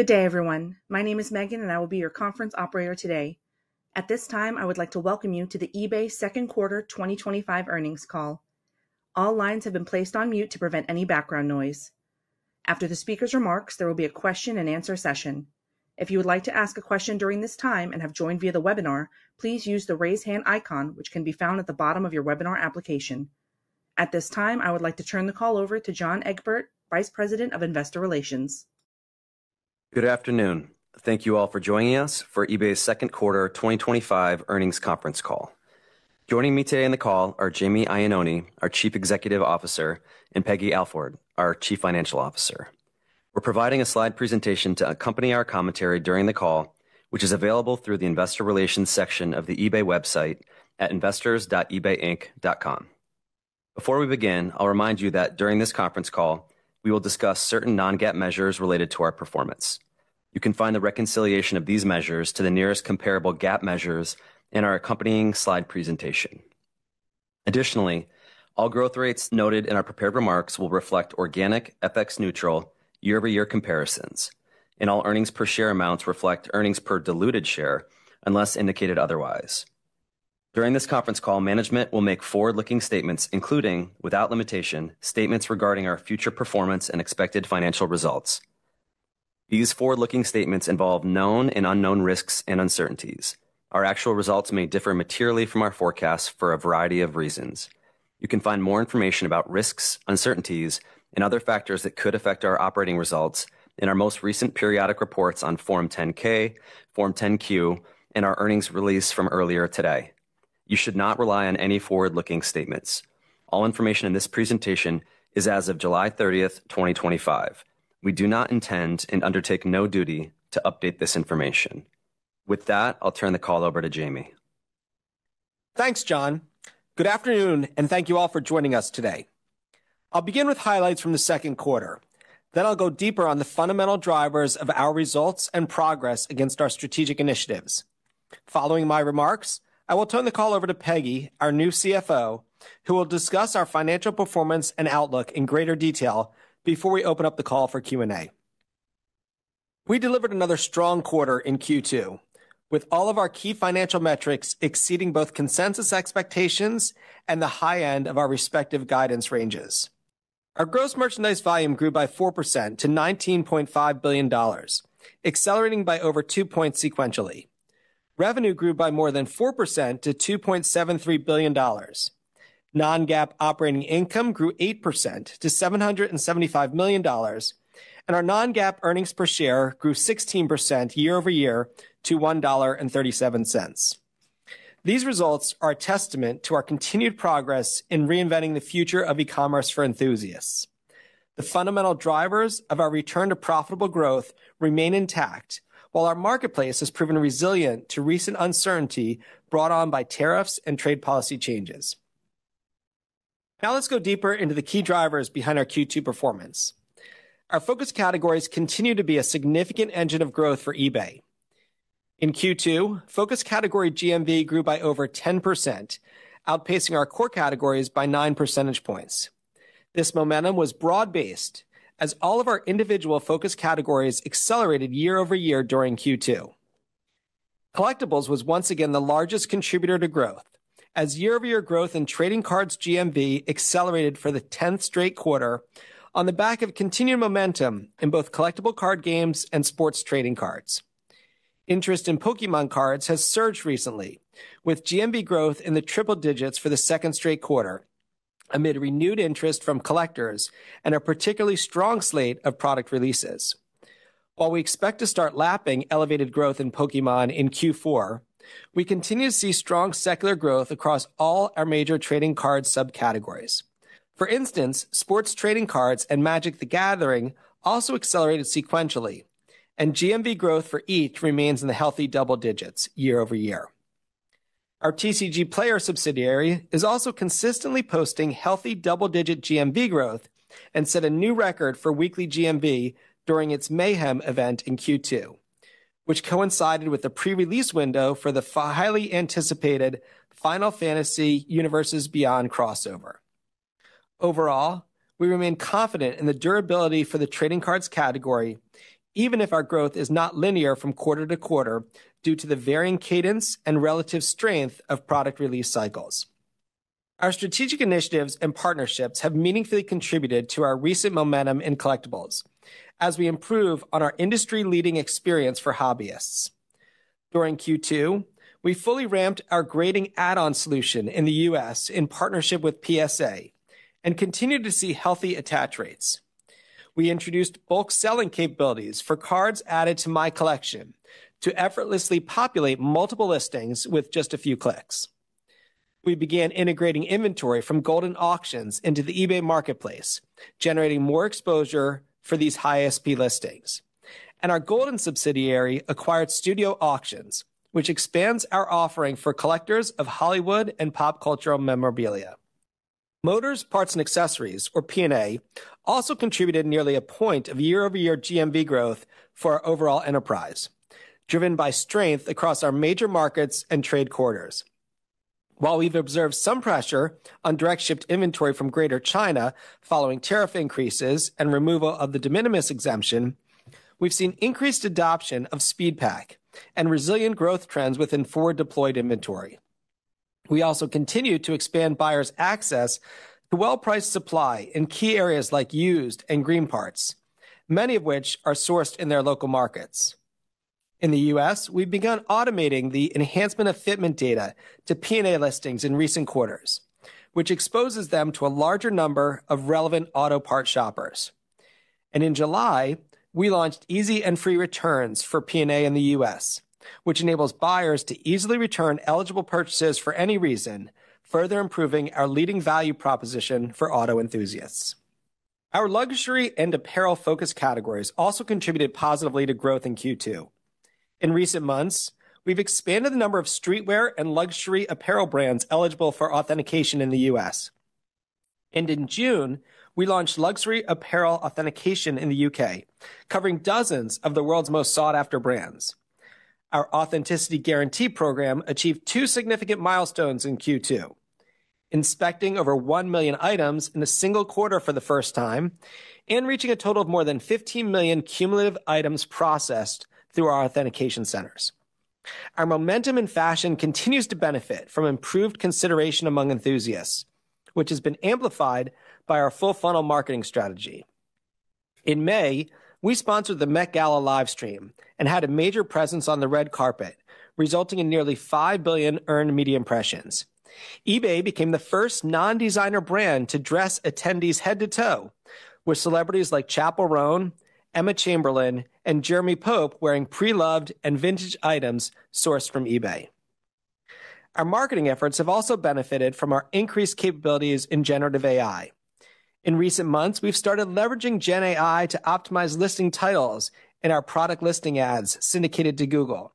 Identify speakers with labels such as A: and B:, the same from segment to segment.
A: Good day, everyone. My name is Megan, and I will be your conference operator today. At this time, I would like to welcome you to the eBay second quarter 2025 earnings call. All lines have been placed on mute to prevent any background noise. After the speaker's remarks, there will be a question-and-answer session. If you would like to ask a question during this time and have joined via the webinar, please use the raise hand icon, which can be found at the bottom of your webinar application. At this time, I would like to turn the call over to John Egbert, Vice President of Investor Relations.
B: Good afternoon. Thank you all for joining us for eBay's Second Quarter 2025 Earnings Conference call. Joining me today in the call are Jamie Iannone, our Chief Executive Officer, and Peggy Alford, our Chief Financial Officer. We're providing a slide presentation to accompany our commentary during the call, which is available through the Investor Relations section of the eBay website at investors.ebayinc.com. Before we begin, I'll remind you that during this conference call, we will discuss certain non-GAAP measures related to our performance. You can find the reconciliation of these measures to the nearest comparable GAAP measures in our accompanying slide presentation. Additionally, all growth rates noted in our prepared remarks will reflect organic, FX neutral, year-over-year comparisons, and all earnings per share amounts reflect earnings per diluted share, unless indicated otherwise. During this conference call, management will make forward-looking statements, including, without limitation, statements regarding our future performance and expected financial results. These forward-looking statements involve known and unknown risks and uncertainties. Our actual results may differ materially from our forecasts for a variety of reasons. You can find more information about risks, uncertainties, and other factors that could affect our operating results in our most recent periodic reports on Form 10-K, Form 10-Q, and our earnings release from earlier today. You should not rely on any forward-looking statements. All information in this presentation is as of July 30, 2025. We do not intend and undertake no duty to update this information. With that, I'll turn the call over to Jamie.
C: Thanks, John. Good afternoon, and thank you all for joining us today. I'll begin with highlights from the second quarter. Then I'll go deeper on the fundamental drivers of our results and progress against our strategic initiatives. Following my remarks, I will turn the call over to Peggy, our new CFO, who will discuss our financial performance and outlook in greater detail before we open up the call for Q&A. We delivered another strong quarter in Q2, with all of our key financial metrics exceeding both consensus expectations and the high end of our respective guidance ranges. Our gross merchandise volume grew by 4% to $19.5 billion, accelerating by over two points sequentially. Revenue grew by more than 4% to $2.73 billion. Non-GAAP operating income grew 8% to $775 million, and our non-GAAP earnings per share grew 16% year-over-year to $1.37. These results are a testament to our continued progress in reinventing the future of e-commerce for enthusiasts. The fundamental drivers of our return to profitable growth remain intact, while our marketplace has proven resilient to recent uncertainty brought on by tariffs and trade policy changes. Now let's go deeper into the key drivers behind our Q2 performance. Our focus categories continue to be a significant engine of growth for eBay. In Q2, focus category GMV grew by over 10%, outpacing our core categories by nine percentage points. This momentum was broad-based as all of our individual focus categories accelerated year-over-year during Q2. Collectibles was once again the largest contributor to growth, as year-over-year growth in trading cards GMV accelerated for the 10th straight quarter on the back of continued momentum in both collectible card games and sports trading cards. Interest in Pokémon cards has surged recently, with GMV growth in the triple digits for the second straight quarter, amid renewed interest from collectors and a particularly strong slate of product releases. While we expect to start lapping elevated growth in Pokémon in Q4, we continue to see strong secular growth across all our major trading card subcategories. For instance, Sports Trading Cards and Magic: The Gathering also accelerated sequentially, and GMV growth for each remains in the healthy double digits year-over-year. Our TCGplayer subsidiary is also consistently posting healthy double-digit GMV growth and set a new record for weekly GMV during its Mayhem event in Q2, which coincided with the pre-release window for the highly anticipated Final Fantasy Universes Beyond crossover. Overall, we remain confident in the durability for the trading cards category, even if our growth is not linear from quarter to quarter due to the varying cadence and relative strength of product release cycles. Our strategic initiatives and partnerships have meaningfully contributed to our recent momentum in collectibles as we improve on our industry-leading experience for hobbyists. During Q2, we fully ramped our grading add-on solution in the U.S. in partnership with PSA and continued to see healthy attach rates. We introduced Bulk Selling capabilities for cards added to My Collection to effortlessly populate multiple listings with just a few clicks. We began integrating inventory from Goldin Auctions into the eBay marketplace, generating more exposure for these high SP listings. Our Goldin subsidiary acquired Studio Auctions, which expands our offering for collectors of Hollywood and pop cultural memorabilia. Motors, Parts, and Accessories, or P&A, also contributed nearly a point of year-over-year GMV growth for our overall enterprise, driven by strength across our major markets and trade quarters. While we've observed some pressure on direct shipped inventory from Greater China following tariff increases and removal of the de minimis exemption, we've seen increased adoption of SpeedPak and resilient growth trends within forward-deployed inventory. We also continue to expand buyers' access to well-priced supply in key areas like used and green parts, many of which are sourced in their local markets. In the U.S., we've begun automating the enhancement of Fitment data to P&A listings in recent quarters, which exposes them to a larger number of relevant auto part shoppers. In July, we launched easy and free returns for P&A in the U.S., which enables buyers to easily return eligible purchases for any reason, further improving our leading value proposition for auto enthusiasts. Our luxury and apparel focus categories also contributed positively to growth in Q2. In recent months, we've expanded the number of streetwear and luxury apparel brands eligible for authentication in the U.S. In June, we launched luxury apparel authentication in the U.K., covering dozens of the world's most sought-after brands. Our authenticity guarantee program achieved two significant milestones in Q2, inspecting over 1 million items in a single quarter for the first time and reaching a total of more than 15 million cumulative items processed through our authentication centers. Our momentum in fashion continues to benefit from improved consideration among enthusiasts, which has been amplified by our full-funnel marketing strategy. In May, we sponsored the Met Gala livestream and had a major presence on the red carpet, resulting in nearly 5 billion earned media impressions. eBay became the first non-designer brand to dress attendees head to toe, with celebrities like Chappell Roan, Emma Chamberlain, and Jeremy Pope wearing pre-loved and vintage items sourced from eBay. Our marketing efforts have also benefited from our increased capabilities in generative AI. In recent months, we've started leveraging generative AI to optimize listing titles in our product listing ads syndicated to Google,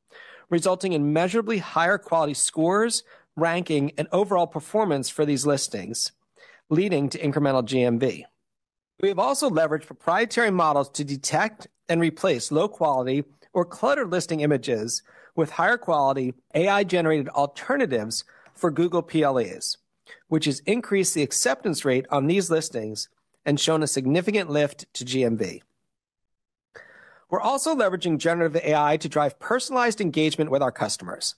C: resulting in measurably higher quality scores, ranking, and overall performance for these listings, leading to incremental GMV. We have also leveraged proprietary models to detect and replace low-quality or cluttered listing images with higher quality AI-generated alternatives for Google PLAs, which has increased the acceptance rate on these listings and shown a significant lift to GMV. We're also leveraging generative AI to drive personalized engagement with our customers.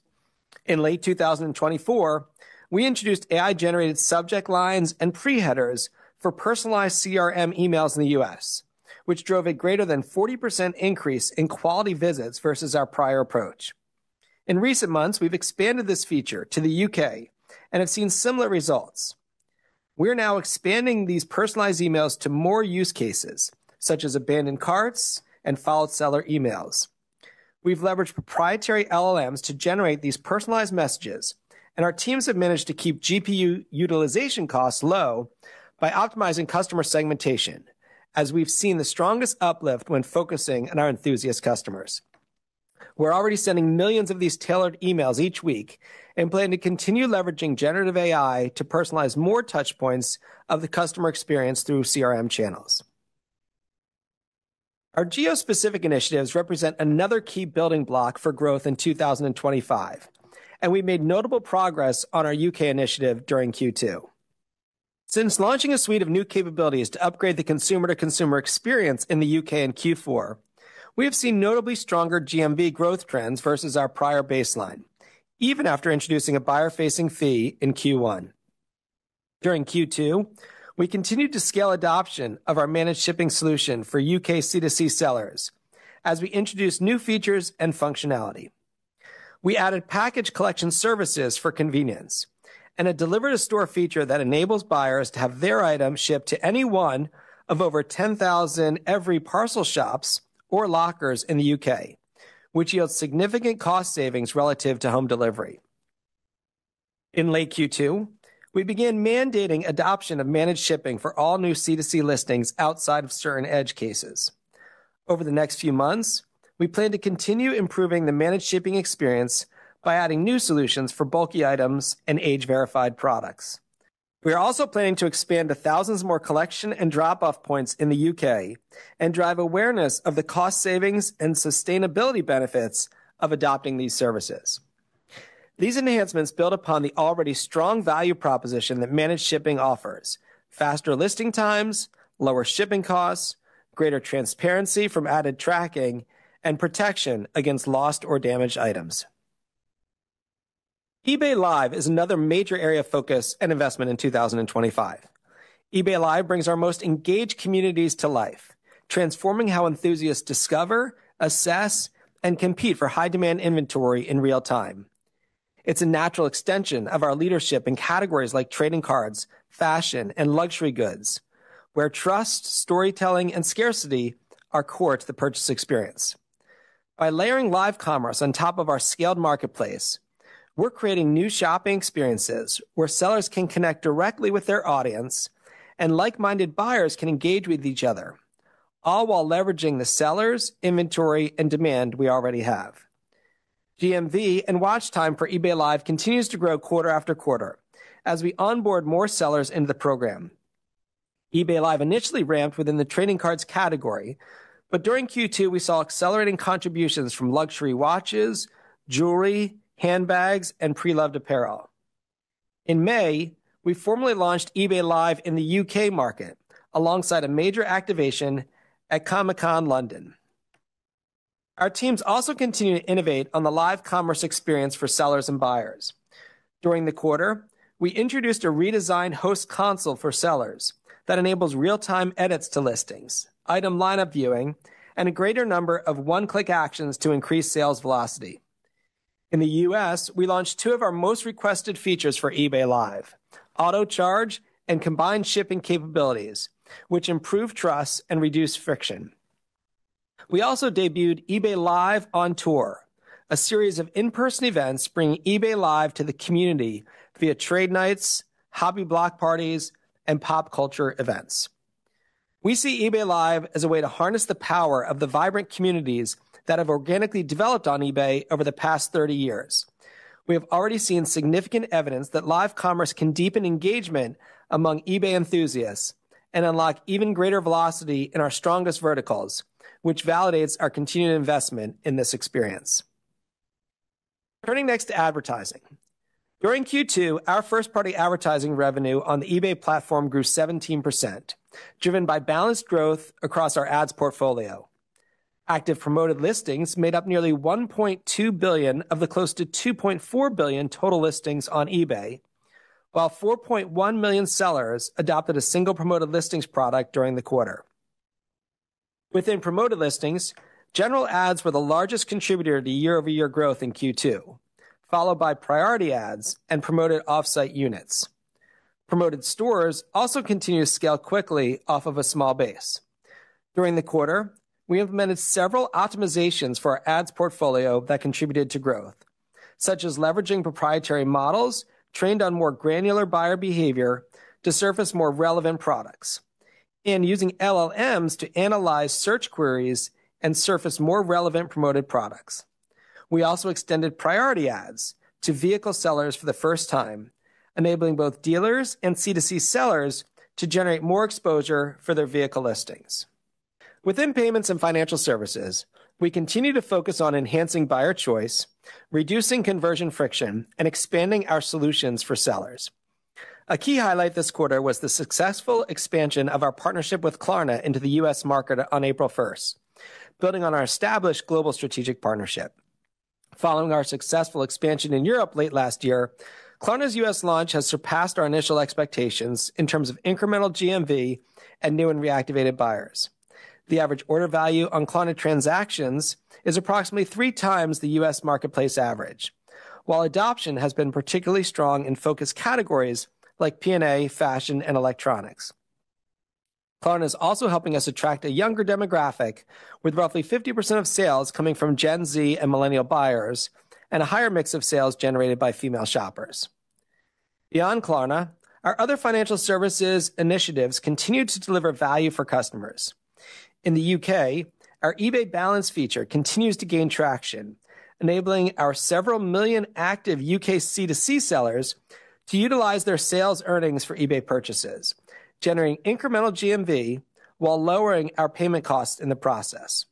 C: In late 2024, we introduced AI-generated subject lines and preheaders for personalized CRM emails in the U.S., which drove a greater than 40% increase in quality visits versus our prior approach. In recent months, we've expanded this feature to the U.K. and have seen similar results. We're now expanding these personalized emails to more use cases, such as abandoned carts and followed seller emails. We've leveraged proprietary LLMs to generate these personalized messages, and our teams have managed to keep GPU utilization costs low by optimizing customer segmentation, as we've seen the strongest uplift when focusing on our enthusiast customers. We're already sending millions of these tailored emails each week and plan to continue leveraging generative AI to personalize more touchpoints of the customer experience through CRM channels. Our geo-specific initiatives represent another key building block for growth in 2025, and we've made notable progress on our U.K. initiative during Q2. Since launching a suite of new capabilities to upgrade the consumer-to-consumer experience in the U.K. in Q4, we have seen notably stronger GMV growth trends versus our prior baseline, even after introducing a buyer-facing fee in Q1. During Q2, we continued to scale adoption of our managed shipping solution for U.K. C2C sellers as we introduced new features and functionality. We added package collection services for convenience and a delivery-to-store feature that enables buyers to have their items shipped to any one of over 10,000 Evri parcel shops or lockers in the U.K., which yields significant cost savings relative to home delivery. In late Q2, we began mandating adoption of managed shipping for all new C2C listings outside of certain edge cases. Over the next few months, we plan to continue improving the managed shipping experience by adding new solutions for bulky items and age-verified products. We are also planning to expand to thousands more collection and drop-off points in the U.K. and drive awareness of the cost savings and sustainability benefits of adopting these services. These enhancements build upon the already strong value proposition that managed shipping offers: faster listing times, lower shipping costs, greater transparency from added tracking, and protection against lost or damaged items. eBay Live is another major area of focus and investment in 2025. eBay Live brings our most engaged communities to life, transforming how enthusiasts discover, assess, and compete for high-demand inventory in real time. It's a natural extension of our leadership in categories like Trading Cards, Fashion, and Luxury goods, where trust, storytelling, and scarcity are core to the purchase experience. By layering live commerce on top of our scaled marketplace, we're creating new shopping experiences where sellers can connect directly with their audience and like-minded buyers can engage with each other, all while leveraging the sellers, inventory, and demand we already have. GMV and watch time for eBay Live continues to grow quarter after quarter as we onboard more sellers into the program. eBay Live initially ramped within the trading cards category, but during Q2, we saw accelerating contributions from luxury watches, jewelry, handbags, and pre-loved apparel. In May, we formally launched eBay Live in the U.K. market alongside a major activation at Comic-Con London. Our teams also continue to innovate on the live commerce experience for sellers and buyers. During the quarter, we introduced a redesigned host console for sellers that enables real-time edits to listings, item lineup viewing, and a greater number of one-click actions to increase sales velocity. In the U.S., we launched two of our most requested features for eBay Live: Auto Charge and Combined Shipping capabilities, which improve trust and reduce friction. We also debuted eBay Live on Tour, a series of in-person events bringing eBay Live to the community via trade nights, hobby block parties, and pop culture events. We see eBay Live as a way to harness the power of the vibrant communities that have organically developed on eBay over the past 30 years. We have already seen significant evidence that live commerce can deepen engagement among eBay enthusiasts and unlock even greater velocity in our strongest verticals, which validates our continued investment in this experience. Turning next to advertising. During Q2, our first-party advertising revenue on the eBay platform grew 17%, driven by balanced growth across our ads portfolio. Active promoted listings made up nearly 1.2 billion of the close to 2.4 billion total listings on eBay, while 4.1 million sellers adopted a single promoted listings product during the quarter. Within promoted listings, general ads were the largest contributor to year-over-year growth in Q2, followed by priority ads and promoted offsite units. Promoted stores also continue to scale quickly off of a small base. During the quarter, we implemented several optimizations for our ads portfolio that contributed to growth, such as leveraging proprietary models trained on more granular buyer behavior to surface more relevant products, and using LLMs to analyze search queries and surface more relevant promoted products. We also extended priority ads to vehicle sellers for the first time, enabling both dealers and C2C sellers to generate more exposure for their vehicle listings. Within payments and financial services, we continue to focus on enhancing buyer choice, reducing conversion friction, and expanding our solutions for sellers. A key highlight this quarter was the successful expansion of our partnership with Klarna into the U.S. market on April 1, building on our established global strategic partnership. Following our successful expansion in Europe late last year, Klarna's U.S. launch has surpassed our initial expectations in terms of incremental GMV and new and reactivated buyers. The average order value on Klarna transactions is approximately three times the U.S. marketplace average, while adoption has been particularly strong in focus categories like P&A, fashion, and electronics. Klarna is also helping us attract a younger demographic, with roughly 50% of sales coming from Gen Z and millennial buyers and a higher mix of sales generated by female shoppers. Beyond Klarna, our other financial services initiatives continue to deliver value for customers. In the U.K., our eBay Balance feature continues to gain traction, enabling our several million active U.K. C2C sellers to utilize their sales earnings for eBay purchases, generating incremental GMV while lowering our payment costs in the process.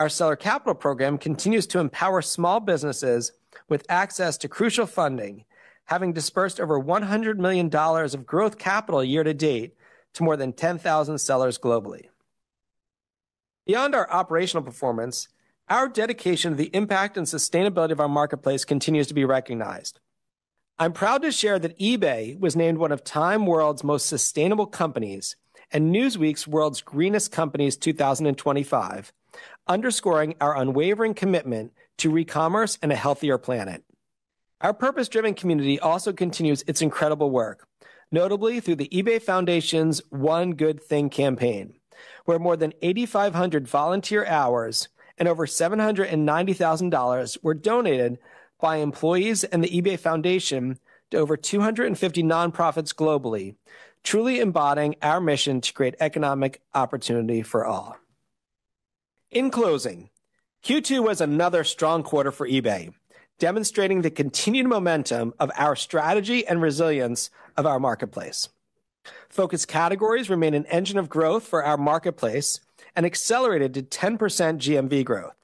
C: Our seller capital program continues to empower small businesses with access to crucial funding, having disbursed over $100 million of growth capital year-to-date to more than 10,000 sellers globally. Beyond our operational performance, our dedication to the impact and sustainability of our marketplace continues to be recognized. I'm proud to share that eBay was named one of Time World's Most Sustainable Companies and Newsweek's World's Greenest Companies 2025, underscoring our unwavering commitment to re-commerce and a healthier planet. Our purpose-driven community also continues its incredible work, notably through the eBay Foundation's One Good Thing campaign, where more than 8,500 volunteer hours and over $790,000 were donated by employees and the eBay Foundation to over 250 nonprofits globally, truly embodying our mission to create economic opportunity for all. In closing, Q2 was another strong quarter for eBay, demonstrating the continued momentum of our strategy and resilience of our marketplace. Focus categories remain an engine of growth for our marketplace and accelerated to 10% GMV growth.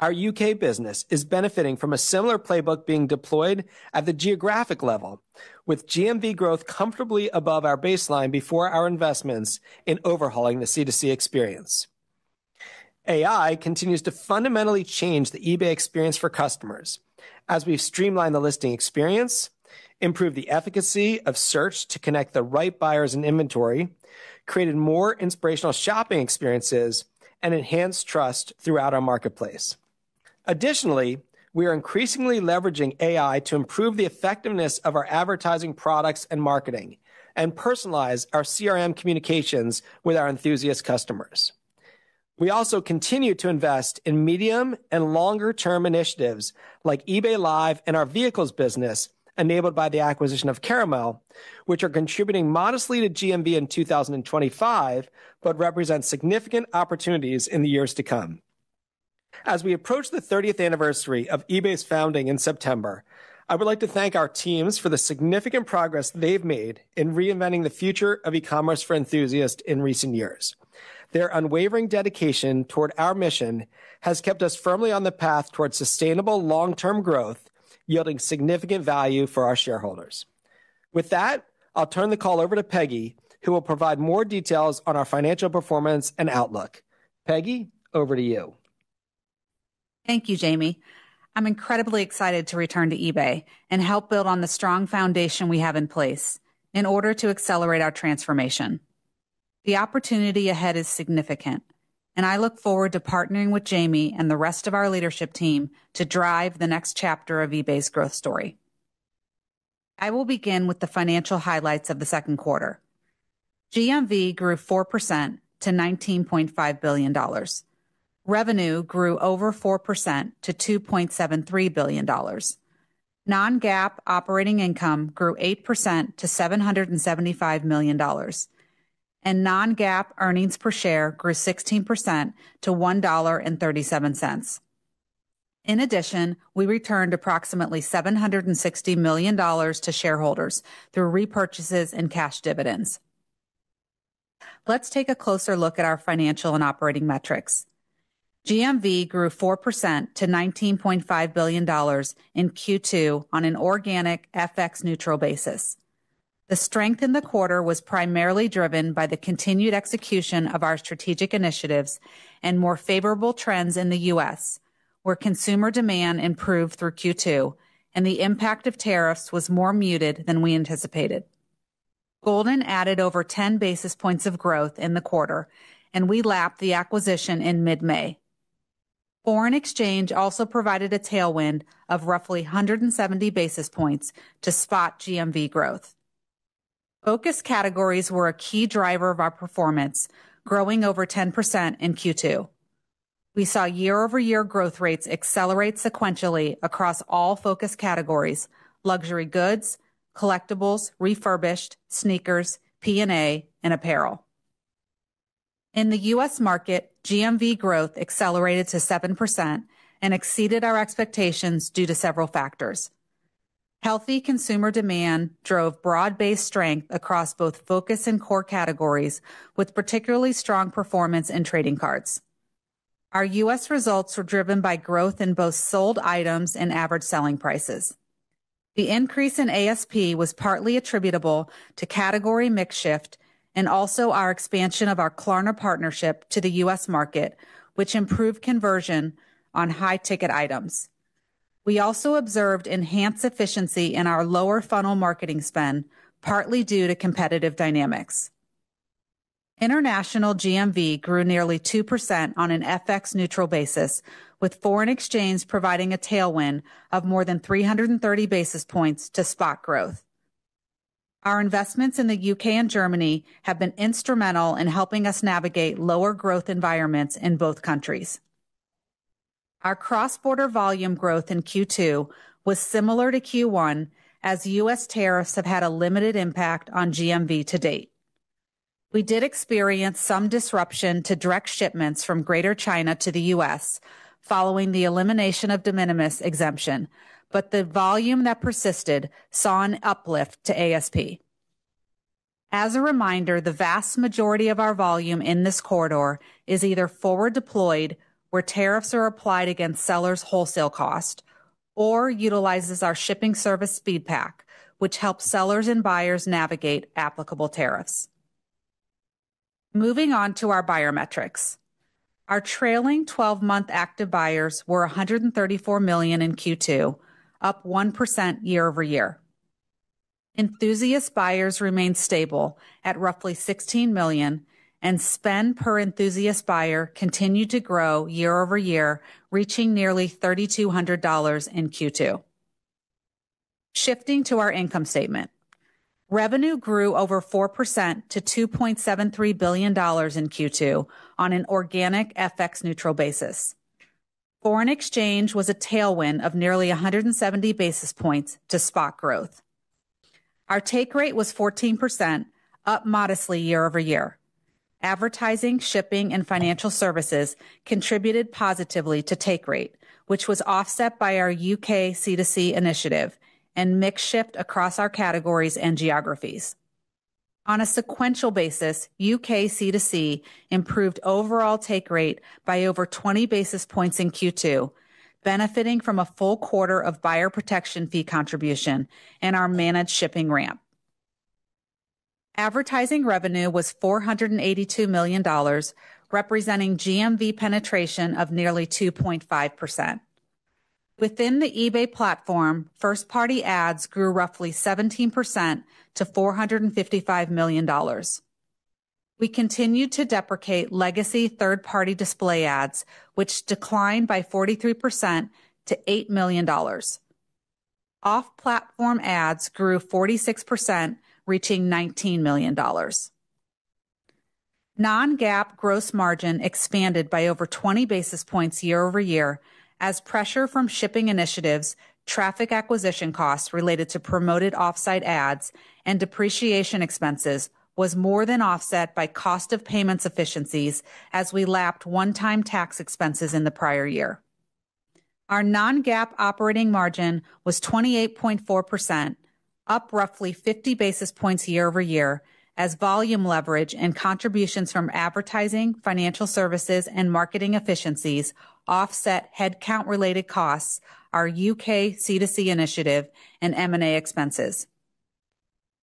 C: Our U.K. business is benefiting from a similar playbook being deployed at the geographic level, with GMV growth comfortably above our baseline before our investments in overhauling the C2C experience. AI continues to fundamentally change the eBay experience for customers as we've streamlined the listing experience, improved the efficacy of search to connect the right buyers and inventory, created more inspirational shopping experiences, and enhanced trust throughout our marketplace. Additionally, we are increasingly leveraging AI to improve the effectiveness of our advertising products and marketing and personalize our CRM communications with our enthusiast customers. We also continue to invest in medium and longer-term initiatives like eBay Live and our vehicles business, enabled by the acquisition of Caramel, which are contributing modestly to GMV in 2025 but represent significant opportunities in the years to come. As we approach the 30th anniversary of eBay's founding in September, I would like to thank our teams for the significant progress they've made in reinventing the future of e-commerce for enthusiasts in recent years. Their unwavering dedication toward our mission has kept us firmly on the path toward sustainable long-term growth, yielding significant value for our shareholders. With that, I'll turn the call over to Peggy, who will provide more details on our financial performance and outlook. Peggy, over to you.
D: Thank you, Jamie. I'm incredibly excited to return to eBay and help build on the strong foundation we have in place in order to accelerate our transformation. The opportunity ahead is significant, and I look forward to partnering with Jamie and the rest of our leadership team to drive the next chapter of eBay's growth story. I will begin with the financial highlights of the second quarter. GMV grew 4% to $19.5 billion. Revenue grew over 4% to $2.73 billion. Non-GAAP operating income grew 8% to $775 million. Non-GAAP earnings per share grew 16% to $1.37. In addition, we returned approximately $760 million to shareholders through repurchases and cash dividends. Let's take a closer look at our financial and operating metrics. GMV grew 4% to $19.5 billion in Q2 on an organic, FX-neutral basis. The strength in the quarter was primarily driven by the continued execution of our strategic initiatives and more favorable trends in the U.S., where consumer demand improved through Q2, and the impact of tariffs was more muted than we anticipated. Goldin added over 10 basis points of growth in the quarter, and we lapped the acquisition in mid-May. Foreign exchange also provided a tailwind of roughly 170 basis points to spot GMV growth. Focus categories were a key driver of our performance, growing over 10% in Q2. We saw year-over-year growth rates accelerate sequentially across all focus categories: luxury goods, collectibles, refurbished, sneakers, P&A, and apparel. In the U.S. market, GMV growth accelerated to 7% and exceeded our expectations due to several factors. Healthy consumer demand drove broad-based strength across both focus and core categories, with particularly strong performance in trading cards. Our U.S. results were driven by growth in both sold items and average selling prices. The increase in ASP was partly attributable to category mix shift and also our expansion of our Klarna partnership to the U.S. market, which improved conversion on high-ticket items. We also observed enhanced efficiency in our lower funnel marketing spend, partly due to competitive dynamics. International GMV grew nearly 2% on an FX-neutral basis, with foreign exchange providing a tailwind of more than 330 basis points to spot growth. Our investments in the U.K. and Germany have been instrumental in helping us navigate lower growth environments in both countries. Our cross-border volume growth in Q2 was similar to Q1, as U.S. tariffs have had a limited impact on GMV to date. We did experience some disruption to direct shipments from Greater China to the U.S. following the elimination of de minimis exemption, but the volume that persisted saw an uplift to ASP. As a reminder, the vast majority of our volume in this corridor is either forward-deployed, where tariffs are applied against sellers' wholesale cost, or utilizes our shipping service SpeedPak, which helps sellers and buyers navigate applicable tariffs. Moving on to our buyer metrics. Our trailing 12-month active buyers were 134 million in Q2, up 1% year-over-year. Enthusiast buyers remained stable at roughly 16 million, and spend per enthusiast buyer continued to grow year-over-year, reaching nearly $3,200 in Q2. Shifting to our income statement. Revenue grew over 4% to $2.73 billion in Q2 on an organic, FX-neutral basis. Foreign exchange was a tailwind of nearly 170 basis points to spot growth. Our take rate was 14%, up modestly year-over-year. Advertising, shipping, and financial services contributed positively to take rate, which was offset by our U.K. C2C initiative and mix shift across our categories and geographies. On a sequential basis, U.K. C2C improved overall take rate by over 20 basis points in Q2, benefiting from a full quarter of buyer protection fee contribution and our managed shipping ramp. Advertising revenue was $482 million, representing GMV penetration of nearly 2.5%. Within the eBay platform, first-party ads grew roughly 17% to $455 million. We continued to deprecate legacy third-party display ads, which declined by 43% to $8 million. Off-platform ads grew 46%, reaching $19 million. Non-GAAP gross margin expanded by over 20 basis points year-over-year as pressure from shipping initiatives, traffic acquisition costs related to promoted offsite ads, and depreciation expenses was more than offset by cost of payments efficiencies as we lapped one-time tax expenses in the prior year. Our non-GAAP operating margin was 28.4%, up roughly 50 basis points year-over-year as volume leverage and contributions from advertising, financial services, and marketing efficiencies offset headcount-related costs, our U.K. C2C initiative, and M&A expenses.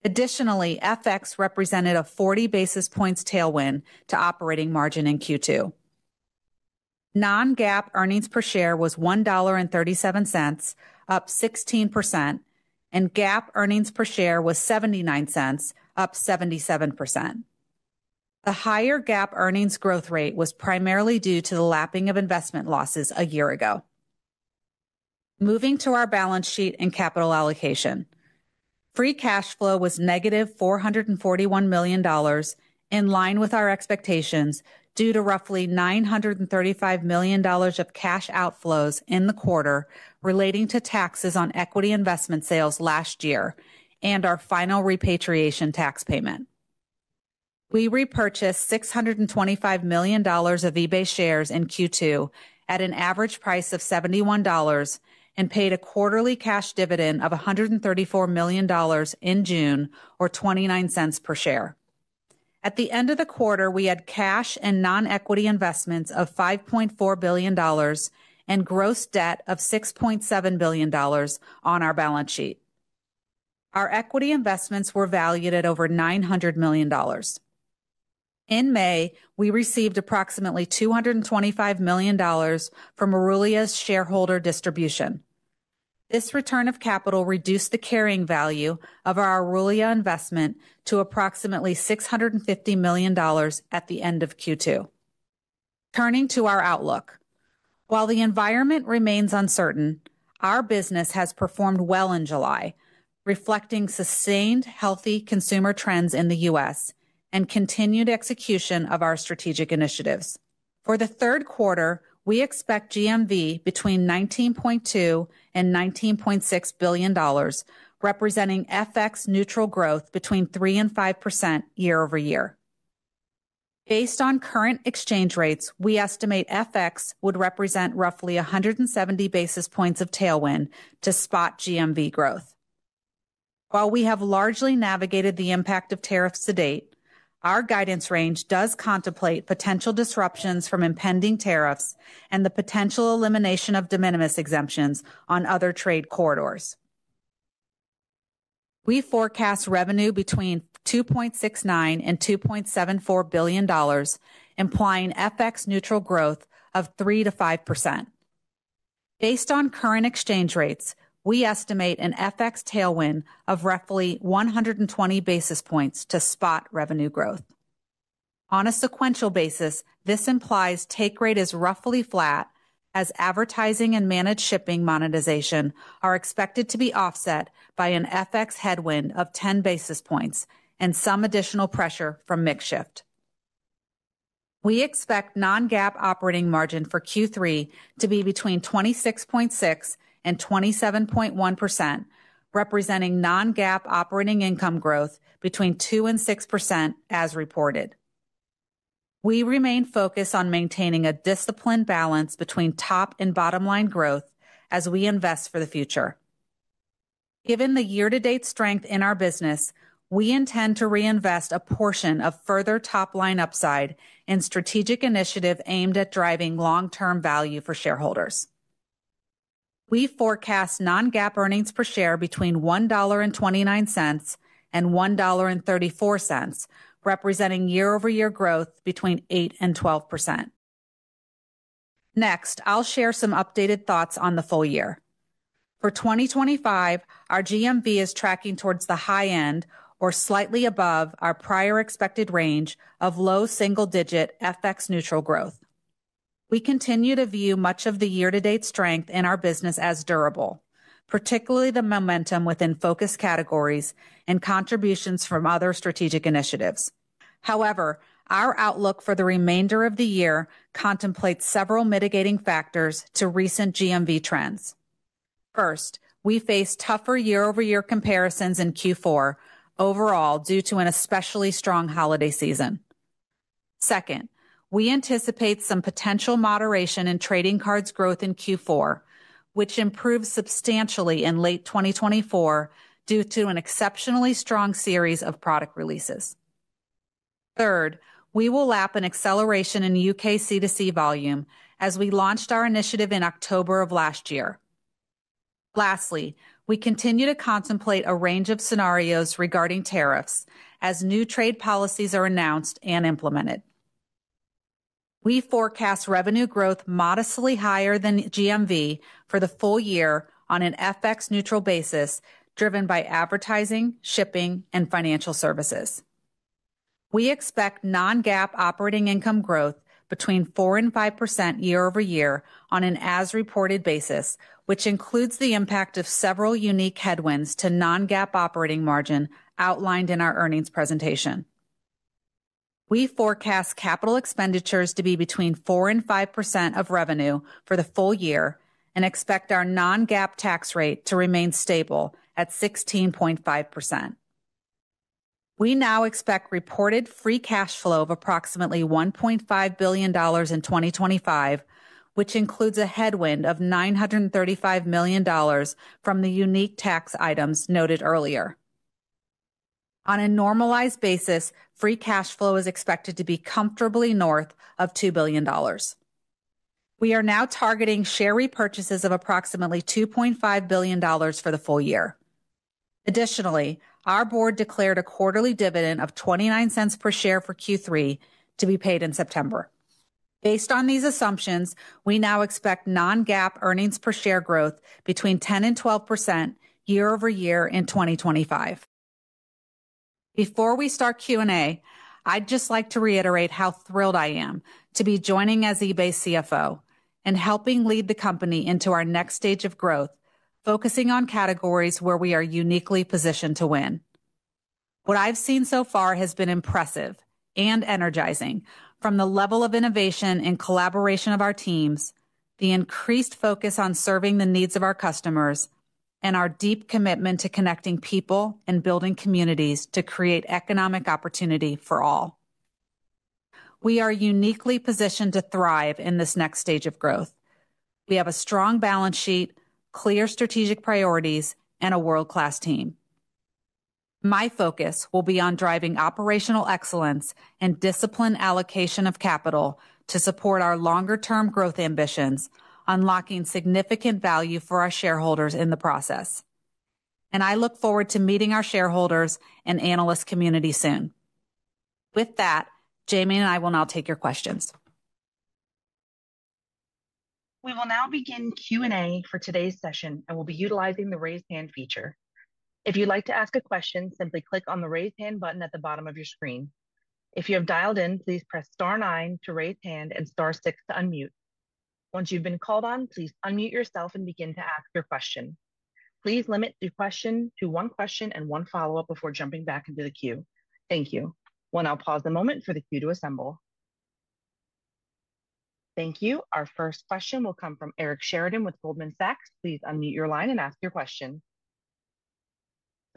D: Additionally, FX represented a 40 basis points tailwind to operating margin in Q2. Non-GAAP earnings per share was $1.37, up 16%, and GAAP earnings per share was $0.79, up 77%. The higher GAAP earnings growth rate was primarily due to the lapping of investment losses a year ago. Moving to our balance sheet and capital allocation, free cash flow was negative $441 million, in line with our expectations due to roughly $935 million of cash outflows in the quarter relating to taxes on equity investment sales last year and our final repatriation tax payment. We repurchased $625 million of eBay shares in Q2 at an average price of $71 and paid a quarterly cash dividend of $134 million in June, or $0.29 per share. At the end of the quarter, we had cash and non-equity investments of $5.4 billion and gross debt of $6.7 billion on our balance sheet. Our equity investments were valued at over $900 million. In May, we received approximately $225 million from Aurelia's shareholder distribution. This return of capital reduced the carrying value of our Aurelia investment to approximately $650 million at the end of Q2. Turning to our outlook, while the environment remains uncertain, our business has performed well in July, reflecting sustained healthy consumer trends in the U.S. and continued execution of our strategic initiatives. For the third quarter, we expect GMV between $19.2 and $19.6 billion, representing FX-neutral growth between 3% and 5% year-over-year. Based on current exchange rates, we estimate FX would represent roughly 170 basis points of tailwind to spot GMV growth. While we have largely navigated the impact of tariffs to date, our guidance range does contemplate potential disruptions from impending tariffs and the potential elimination of de minimis exemptions on other trade corridors. We forecast revenue between $2.69 and $2.74 billion, implying FX-neutral growth of 3% to 5%. Based on current exchange rates, we estimate an FX tailwind of roughly 120 basis points to spot revenue growth. On a sequential basis, this implies take rate is roughly flat, as advertising and managed shipping monetization are expected to be offset by an FX headwind of 10 basis points and some additional pressure from mix shift. We expect non-GAAP operating margin for Q3 to be between 26.6% and 27.1%, representing non-GAAP operating income growth between 2% and 6% as reported. We remain focused on maintaining a disciplined balance between top and bottom line growth as we invest for the future. Given the year-to-date strength in our business, we intend to reinvest a portion of further top line upside in strategic initiatives aimed at driving long-term value for shareholders. We forecast non-GAAP earnings per share between $1.29 and $1.34, representing year-over-year growth between 8% and 12%. Next, I'll share some updated thoughts on the full year. For 2025, our GMV is tracking towards the high end, or slightly above our prior expected range of low single-digit FX-neutral growth. We continue to view much of the year-to-date strength in our business as durable, particularly the momentum within focus categories and contributions from other strategic initiatives. However, our outlook for the remainder of the year contemplates several mitigating factors to recent GMV trends. First, we face tougher year-over-year comparisons in Q4 overall due to an especially strong holiday season. Second, we anticipate some potential moderation in trading cards growth in Q4, which improved substantially in late 2024 due to an exceptionally strong series of product releases. Third, we will lap an acceleration in U.K. C2C volume as we launched our initiative in October of last year. Lastly, we continue to contemplate a range of scenarios regarding tariffs as new trade policies are announced and implemented. We forecast revenue growth modestly higher than GMV for the full year on an FX-neutral basis, driven by advertising, shipping, and financial services. We expect non-GAAP operating income growth between 4% and 5% year-over-year on an as-reported basis, which includes the impact of several unique headwinds to non-GAAP operating margin outlined in our earnings presentation. We forecast capital expenditures to be between 4% and 5% of revenue for the full year and expect our non-GAAP tax rate to remain stable at 16.5%. We now expect reported free cash flow of approximately $1.5 billion in 2025, which includes a headwind of $935 million from the unique tax items noted earlier. On a normalized basis, free cash flow is expected to be comfortably north of $2 billion. We are now targeting share repurchases of approximately $2.5 billion for the full year. Additionally, our board declared a quarterly dividend of $0.29 per share for Q3 to be paid in September. Based on these assumptions, we now expect non-GAAP earnings per share growth between 10% and 12% year-over-year in 2025. Before we start Q&A, I'd just like to reiterate how thrilled I am to be joining as eBay CFO and helping lead the company into our next stage of growth, focusing on categories where we are uniquely positioned to win. What I've seen so far has been impressive and energizing, from the level of innovation and collaboration of our teams, the increased focus on serving the needs of our customers, and our deep commitment to connecting people and building communities to create economic opportunity for all. We are uniquely positioned to thrive in this next stage of growth. We have a strong balance sheet, clear strategic priorities, and a world-class team. My focus will be on driving operational excellence and disciplined allocation of capital to support our longer-term growth ambitions, unlocking significant value for our shareholders in the process. I look forward to meeting our shareholders and analyst community soon. With that, Jamie and I will now take your questions.
A: We will now begin Q&A for today's session and will be utilizing the raise hand feature. If you'd like to ask a question, simply click on the raise hand button at the bottom of your screen. If you have dialed in, please press star nine to raise hand and star six to unmute. Once you've been called on, please unmute yourself and begin to ask your question. Please limit your question to one question and one follow-up before jumping back into the queue. Thank you. We'll now pause a moment for the queue to assemble. Thank you. Our first question will come from Eric Sheridan with Goldman Sachs. Please unmute your line and ask your question.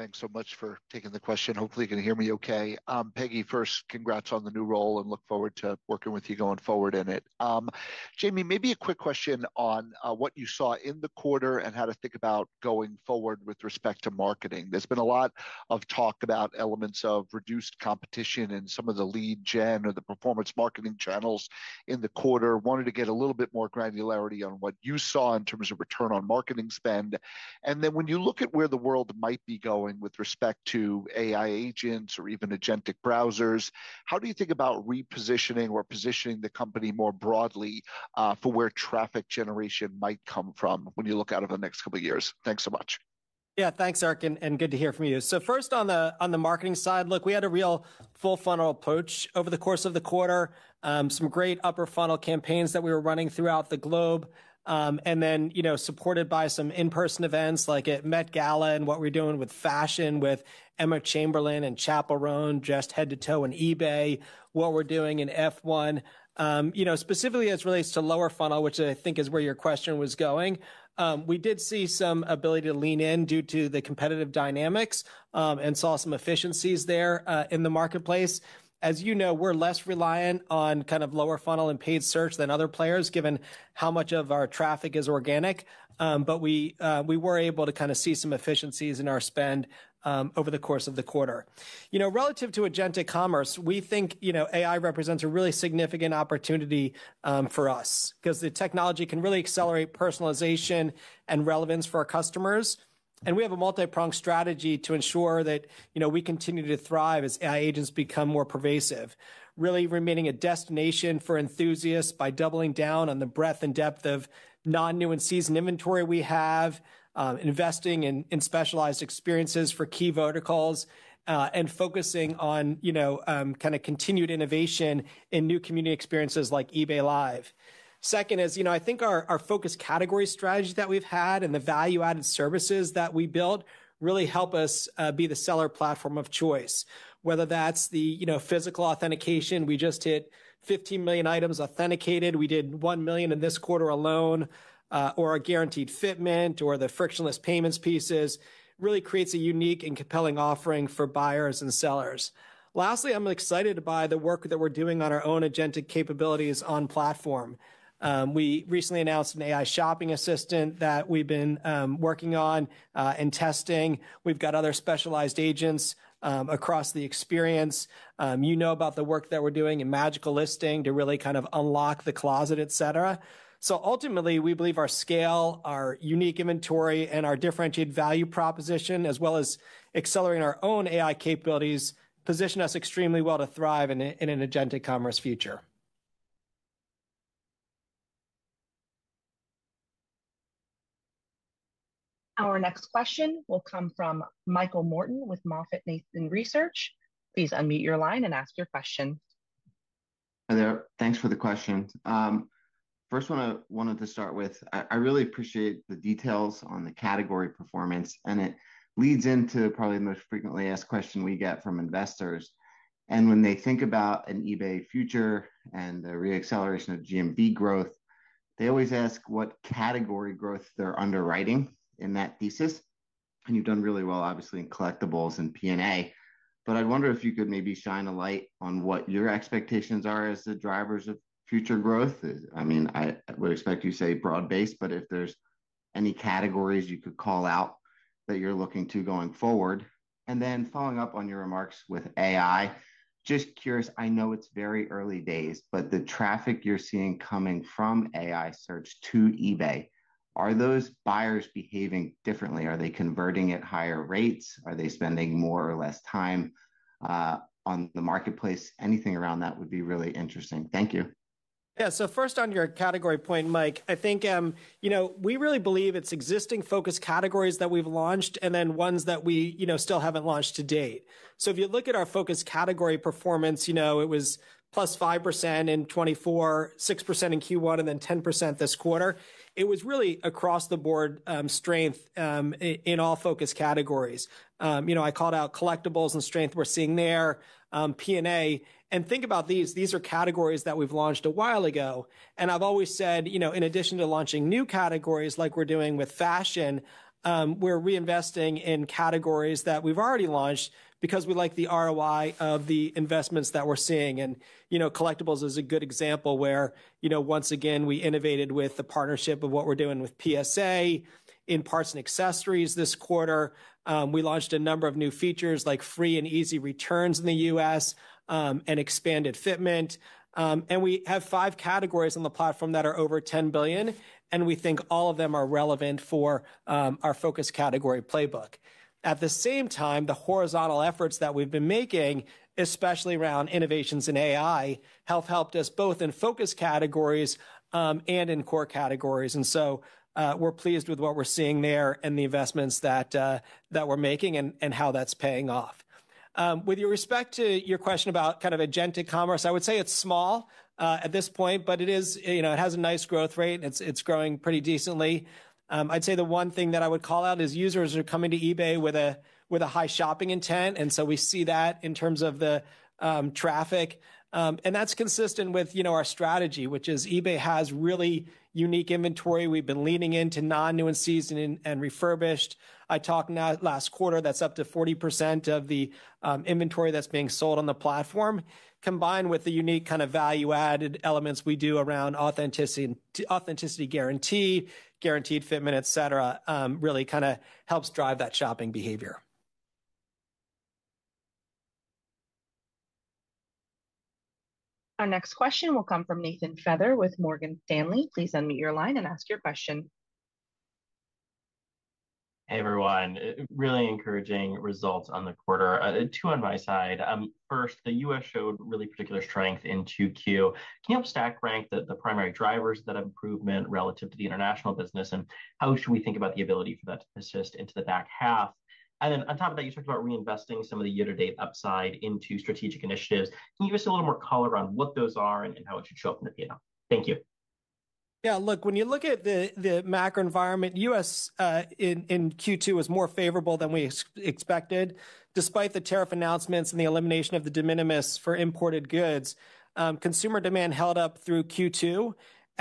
E: Thanks so much for taking the question. Hopefully, you can hear me okay. Peggy, first, congrats on the new role and look forward to working with you going forward in it. Jamie, maybe a quick question on what you saw in the quarter and how to think about going forward with respect to marketing. There's been a lot of talk about elements of reduced competition and some of the lead gen or the performance marketing channels in the quarter. Wanted to get a little bit more granularity on what you saw in terms of return on marketing spend. When you look at where the world might be going with respect to AI agents or even agentic browsers, how do you think about repositioning or positioning the company more broadly for where traffic generation might come from when you look out over the next couple of years? Thanks so much.
C: Yeah, thanks, Eric. Good to hear from you. First, on the marketing side, look, we had a real full funnel approach over the course of the quarter, some great upper funnel campaigns that we were running throughout the globe, and then supported by some in-person events like at Met Gala and what we're doing with fashion with Emma Chamberlain and Chappell Roan, dressed head to toe in eBay, what we're doing in F1. Specifically, as it relates to lower funnel, which I think is where your question was going, we did see some ability to lean in due to the competitive dynamics and saw some efficiencies there in the marketplace. As you know, we're less reliant on kind of lower funnel and paid search than other players given how much of our traffic is organic. We were able to see some efficiencies in our spend over the course of the quarter. Relative to agentic commerce, we think AI represents a really significant opportunity for us because the technology can really accelerate personalization and relevance for our customers. We have a multi-pronged strategy to ensure that we continue to thrive as AI agents become more pervasive, really remaining a destination for enthusiasts by doubling down on the breadth and depth of non-new and seasoned inventory we have, investing in specialized experiences for key verticals, and focusing on. Kind of continued innovation in new community experiences like eBay Live. Second is, I think our focus category strategy that we've had and the value-added services that we build really help us be the seller platform of choice. Whether that's the physical authentication, we just hit 15 million items authenticated. We did 1 million in this quarter alone, or our guaranteed Fitment or the frictionless payments pieces really creates a unique and compelling offering for buyers and sellers. Lastly, I'm excited by the work that we're doing on our own agentic capabilities on platform. We recently announced an AI shopping assistant that we've been working on and testing. We've got other specialized agents across the experience. You know about the work that we're doing in Magical Listing to really kind of unlock the closet, et cetera. Ultimately, we believe our scale, our unique inventory, and our differentiated value proposition, as well as accelerating our own AI capabilities, position us extremely well to thrive in an agentic commerce future.
A: Our next question will come from Michael Morton with MoffettNathanson Research. Please unmute your line and ask your question.
F: Hi there. Thanks for the question. First, I wanted to start with, I really appreciate the details on the category performance, and it leads into probably the most frequently asked question we get from investors. When they think about an eBay future and the re-acceleration of GMV growth, they always ask what category growth they're underwriting in that thesis. You've done really well, obviously, in collectibles and P&A. I'd wonder if you could maybe shine a light on what your expectations are as the drivers of future growth. I would expect you to say broad-based, but if there's any categories you could call out that you're looking to going forward. Following up on your remarks with AI, just curious, I know it's very early days, but the traffic you're seeing coming from AI search to eBay, are those buyers behaving differently? Are they converting at higher rates? Are they spending more or less time on the marketplace? Anything around that would be really interesting. Thank you.
C: Yeah. First, on your category point, Mike, I think we really believe it's existing focus categories that we've launched and then ones that we still haven't launched to date. If you look at our focus category performance, it was plus 5% in 2024, 6% in Q1, and then 10% this quarter. It was really across the board strength in all focus categories. I called out collectibles and strength we're seeing there, P&A. Think about these. These are categories that we've launched a while ago. I've always said, in addition to launching new categories like we're doing with fashion, we're reinvesting in categories that we've already launched because we like the ROI of the investments that we're seeing. Collectibles is a good example where, once again, we innovated with the partnership of what we're doing with PSA in parts and accessories this quarter. We launched a number of new features like Free and Easy Returns in the U.S. and expanded Fitment. We have five categories on the platform that are over $10 billion, and we think all of them are relevant for our focus category playbook. At the same time, the horizontal efforts that we've been making, especially around innovations in AI, have helped us both in focus categories and in core categories. We're pleased with what we're seeing there and the investments that we're making and how that's paying off. With respect to your question about kind of agentic commerce, I would say it's small at this point, but it has a nice growth rate. It's growing pretty decently. The one thing that I would call out is users are coming to eBay with a high shopping intent. We see that in terms of the traffic. That's consistent with our strategy, which is eBay has really unique inventory. We've been leaning into non-new and seasoned and refurbished. I talked last quarter, that's up to 40% of the inventory that's being sold on the platform. Combined with the unique kind of value-added elements we do around authenticity guaranteed, guaranteed Fitment, et cetera, really kind of helps drive that shopping behavior.
A: Our next question will come from Nathan Feather with Morgan Stanley. Please unmute your line and ask your question.
G: Hey, everyone. Really encouraging results on the quarter. Two on my side. First, the U.S. showed really particular strength in Q2. Can you help stack rank the primary drivers of that improvement relative to the international business and how should we think about the ability for that to persist into the back half? On top of that, you talked about reinvesting some of the year-to-date upside into strategic initiatives. Can you give us a little more color on what those are and how it should show up in the? Thank you.
C: Yeah, look, when you look at the macro environment, U.S. in Q2 was more favorable than we expected. Despite the tariff announcements and the elimination of the de minimis for imported goods, consumer demand held up through Q2.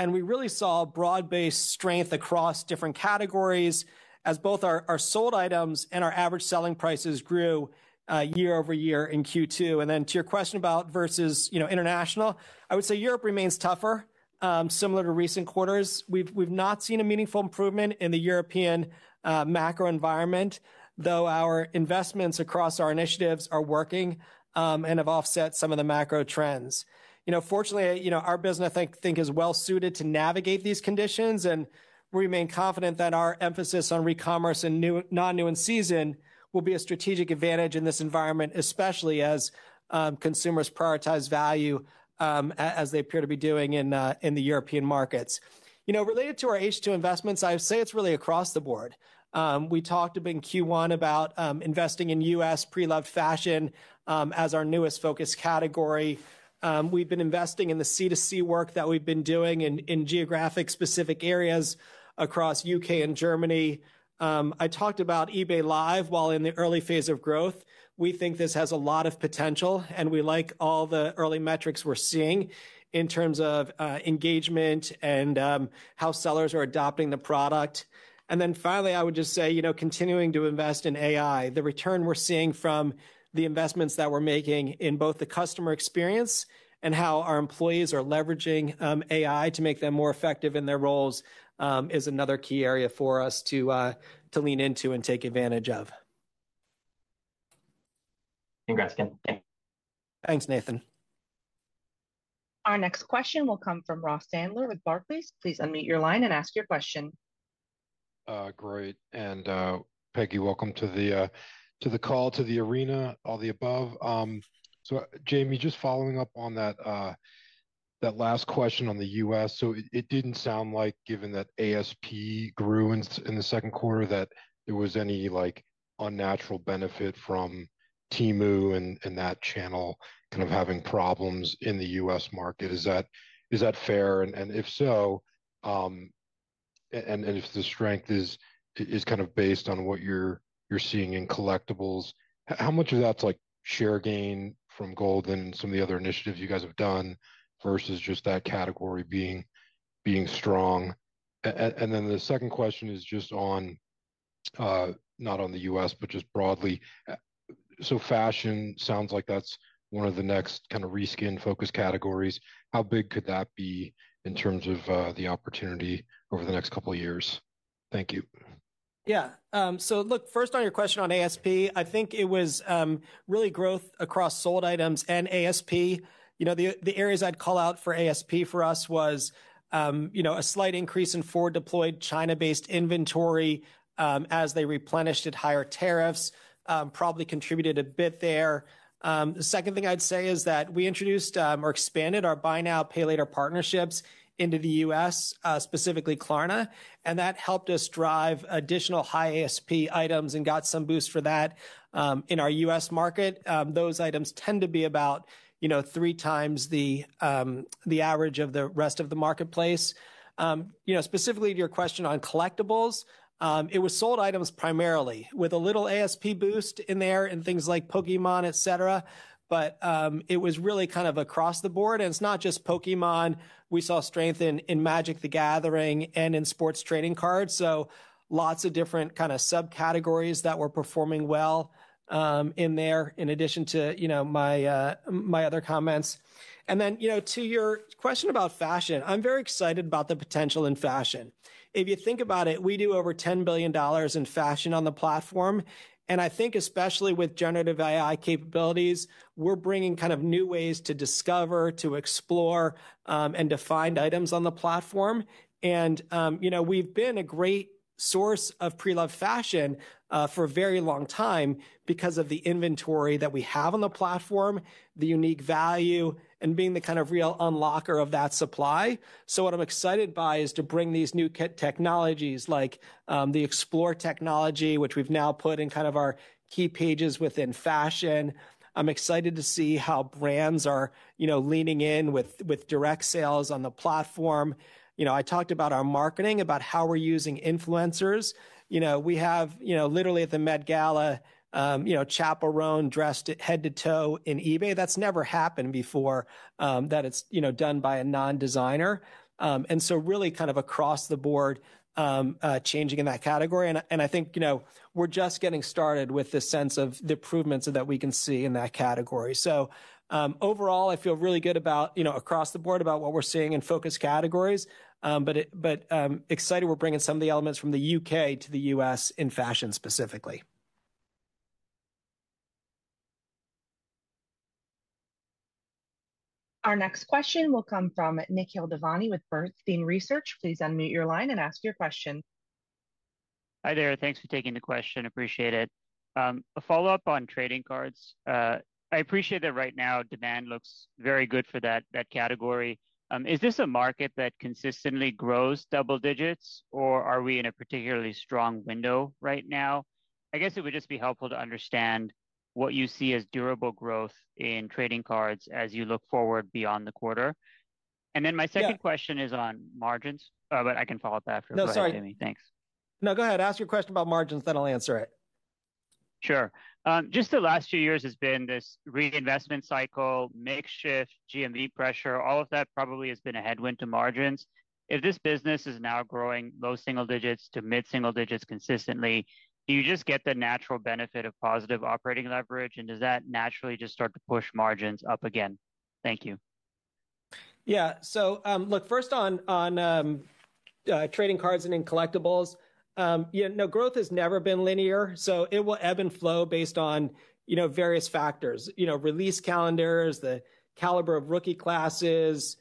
C: We really saw broad-based strength across different categories as both our sold items and our average selling prices grew year-over-year in Q2. To your question about versus international, I would say Europe remains tougher. Similar to recent quarters, we've not seen a meaningful improvement in the European macro environment, though our investments across our initiatives are working and have offset some of the macro trends. Fortunately, our business, I think, is well suited to navigate these conditions and we remain confident that our emphasis on re-commerce and non-new and seasoned will be a strategic advantage in this environment, especially as consumers prioritize value, as they appear to be doing in the European markets. Related to our H2 investments, I would say it's really across the board. We talked in Q1 about investing in U.S. pre-loved fashion as our newest focus category. We've been investing in the C2C work that we've been doing in geographic-specific areas across U.K. and Germany. I talked about eBay Live while in the early phase of growth. We think this has a lot of potential, and we like all the early metrics we're seeing in terms of engagement and how sellers are adopting the product. Finally, I would just say continuing to invest in AI. The return we're seeing from the investments that we're making in both the customer experience and how our employees are leveraging AI to make them more effective in their roles is another key area for us to lean into and take advantage of.
G: Congrats, again.
C: Thanks, Nathan.
A: Our next question will come from Ross Sandler with Barclays. Please unmute your line and ask your question.
H: Great. And Peggy, welcome to the call, to the arena, all the above. Jamie, just following up on that last question on the U.S., it didn't sound like, given that ASP grew in the second quarter, that there was any unnatural benefit from Temu and that channel kind of having problems in the U.S. market. Is that fair? If so, and if the strength is kind of based on what you're seeing in collectibles, how much of that's share gain from Goldin and some of the other initiatives you guys have done versus just that category being strong? The second question is just on. Not on the U.S., but just broadly. Fashion sounds like that's one of the next kind of reskin focus categories. How big could that be in terms of the opportunity over the next couple of years? Thank you.
C: Yeah. First, on your question on ASP, I think it was really growth across sold items and ASP. The areas I'd call out for ASP for us were a slight increase in forward-deployed China-based inventory as they replenished at higher tariffs, which probably contributed a bit there. The second thing I'd say is that we introduced or expanded our buy now, pay later partnerships into the U.S., specifically Klarna. That helped us drive additional high ASP items and got some boost for that in our U.S. market. Those items tend to be about three times the average of the rest of the marketplace. Specifically to your question on collectibles, it was sold items primarily with a little ASP boost in there and things like Pokémon, et cetera. It was really kind of across the board, and it's not just Pokémon. We saw strength in Magic: The Gathering and in Sports Trading Cards. Lots of different kind of subcategories were performing well in there, in addition to my other comments. To your question about fashion, I'm very excited about the potential in fashion. If you think about it, we do over $10 billion in fashion on the platform. I think especially with generative AI capabilities, we're bringing kind of new ways to discover, to explore, and to find items on the platform. We've been a great source of pre-loved fashion for a very long time because of the inventory that we have on the platform, the unique value, and being the kind of real unlocker of that supply. What I'm excited by is to bring these new technologies like the Explore technology, which we've now put in kind of our key pages within fashion. I'm excited to see how brands are leaning in with direct sales on the platform. I talked about our marketing, about how we're using influencers. We have literally at the Met Gala, Chappell Roan dressed head to toe in eBay. That's never happened before that it's done by a non-designer. Really kind of across the board, changing in that category. I think we're just getting started with the sense of the improvements that we can see in that category. Overall, I feel really good across the board about what we're seeing in focus categories. Excited we're bringing some of the elements from the U.K. to the U.S. in fashion specifically.
A: Our next question will come from Nikhil Devnani with Bernstein Research. Please unmute your line and ask your question.
I: Hi there. Thanks for taking the question. Appreciate it. A follow-up on trading cards. I appreciate that right now demand looks very good for that category. Is this a market that consistently grows double digits, or are we in a particularly strong window right now? It would just be helpful to understand what you see as durable growth in trading cards as you look forward beyond the quarter. My second question is on margins, but I can follow up after.
C: No, go ahead. Ask your question about margins, then I'll answer it.
I: Sure. Just the last few years has been this reinvestment cycle, makeshift, GMV pressure. All of that probably has been a headwind to margins. If this business is now growing low single digits to mid single digits consistently, do you just get the natural benefit of positive operating leverage? Does that naturally just start to push margins up again? Thank you.
C: Yeah. First, on trading cards and in collectibles, growth has never been linear, so it will ebb and flow based on various factors: release calendars, the caliber of rookie classes,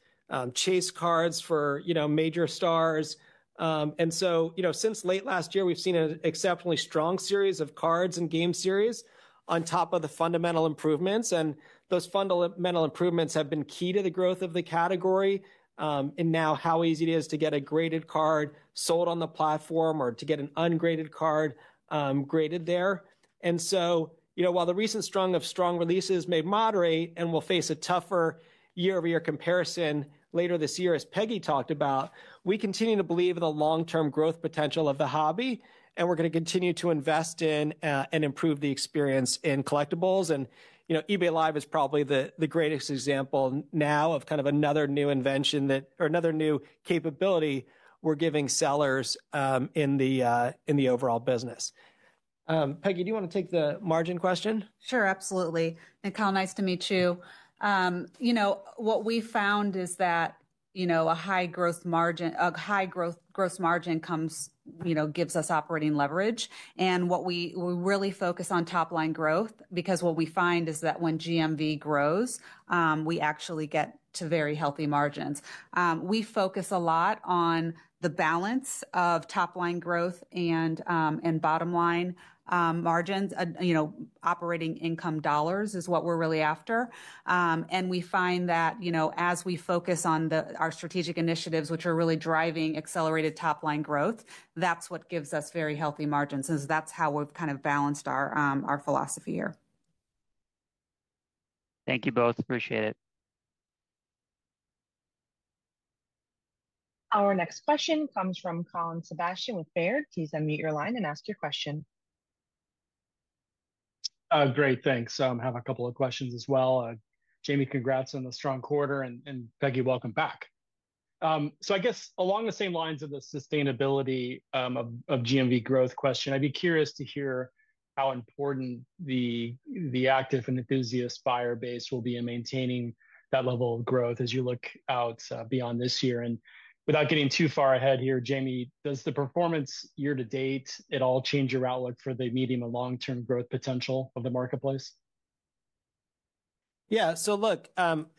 C: chase cards for major stars. Since late last year, we've seen an exceptionally strong series of cards and game series on top of the fundamental improvements. Those fundamental improvements have been key to the growth of the category. Now how easy it is to get a graded card sold on the platform or to get an ungraded card graded there. While the recent string of strong releases may moderate and we'll face a tougher year-over-year comparison later this year, as Peggy talked about, we continue to believe in the long-term growth potential of the hobby. We're going to continue to invest in and improve the experience in collectibles. eBay Live is probably the greatest example now of another new invention or another new capability we're giving sellers in the overall business. Peggy, do you want to take the margin question?
D: Sure, absolutely. Nikhil, nice to meet you. What we found is that a high growth margin gives us operating leverage. We really focus on top-line growth because what we find is that when GMV grows, we actually get to very healthy margins. We focus a lot on the balance of top-line growth and bottom-line margins. Operating income dollars is what we're really after. We find that as we focus on our strategic initiatives, which are really driving accelerated top-line growth, that's what gives us very healthy margins. That's how we've kind of balanced our philosophy here.
I: Thank you both. Appreciate it.
A: Our next question comes from Colin Sebastian with Baird. Please unmute your line and ask your question.
J: Great. Thanks. I have a couple of questions as well. Jamie, congrats on the strong quarter. Peggy, welcome back. I guess along the same lines of the sustainability of GMV growth question, I'd be curious to hear how important the active and enthusiast buyer base will be in maintaining that level of growth as you look out beyond this year. Without getting too far ahead here, Jamie, does the performance year-to-date at all change your outlook for the medium and long-term growth potential of the marketplace?
C: Yeah. Look, I'm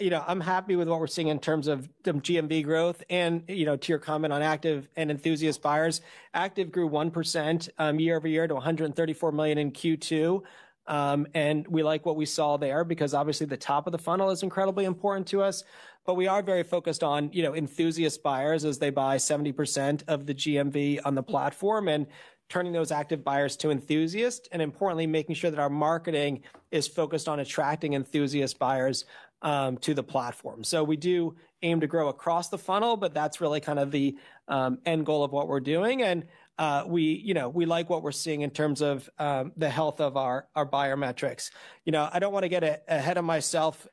C: happy with what we're seeing in terms of GMV growth. To your comment on active and enthusiast buyers, active grew 1% year-over-year to 134 million in Q2. We like what we saw there because obviously the top of the funnel is incredibly important to us. We are very focused on enthusiast buyers as they buy 70% of the GMV on the platform and turning those active buyers to enthusiasts and, importantly, making sure that our marketing is focused on attracting enthusiast buyers to the platform. We do aim to grow across the funnel, but that's really kind of the end goal of what we're doing. We like what we're seeing in terms of the health of our buyer metrics. I don't want to get ahead of myself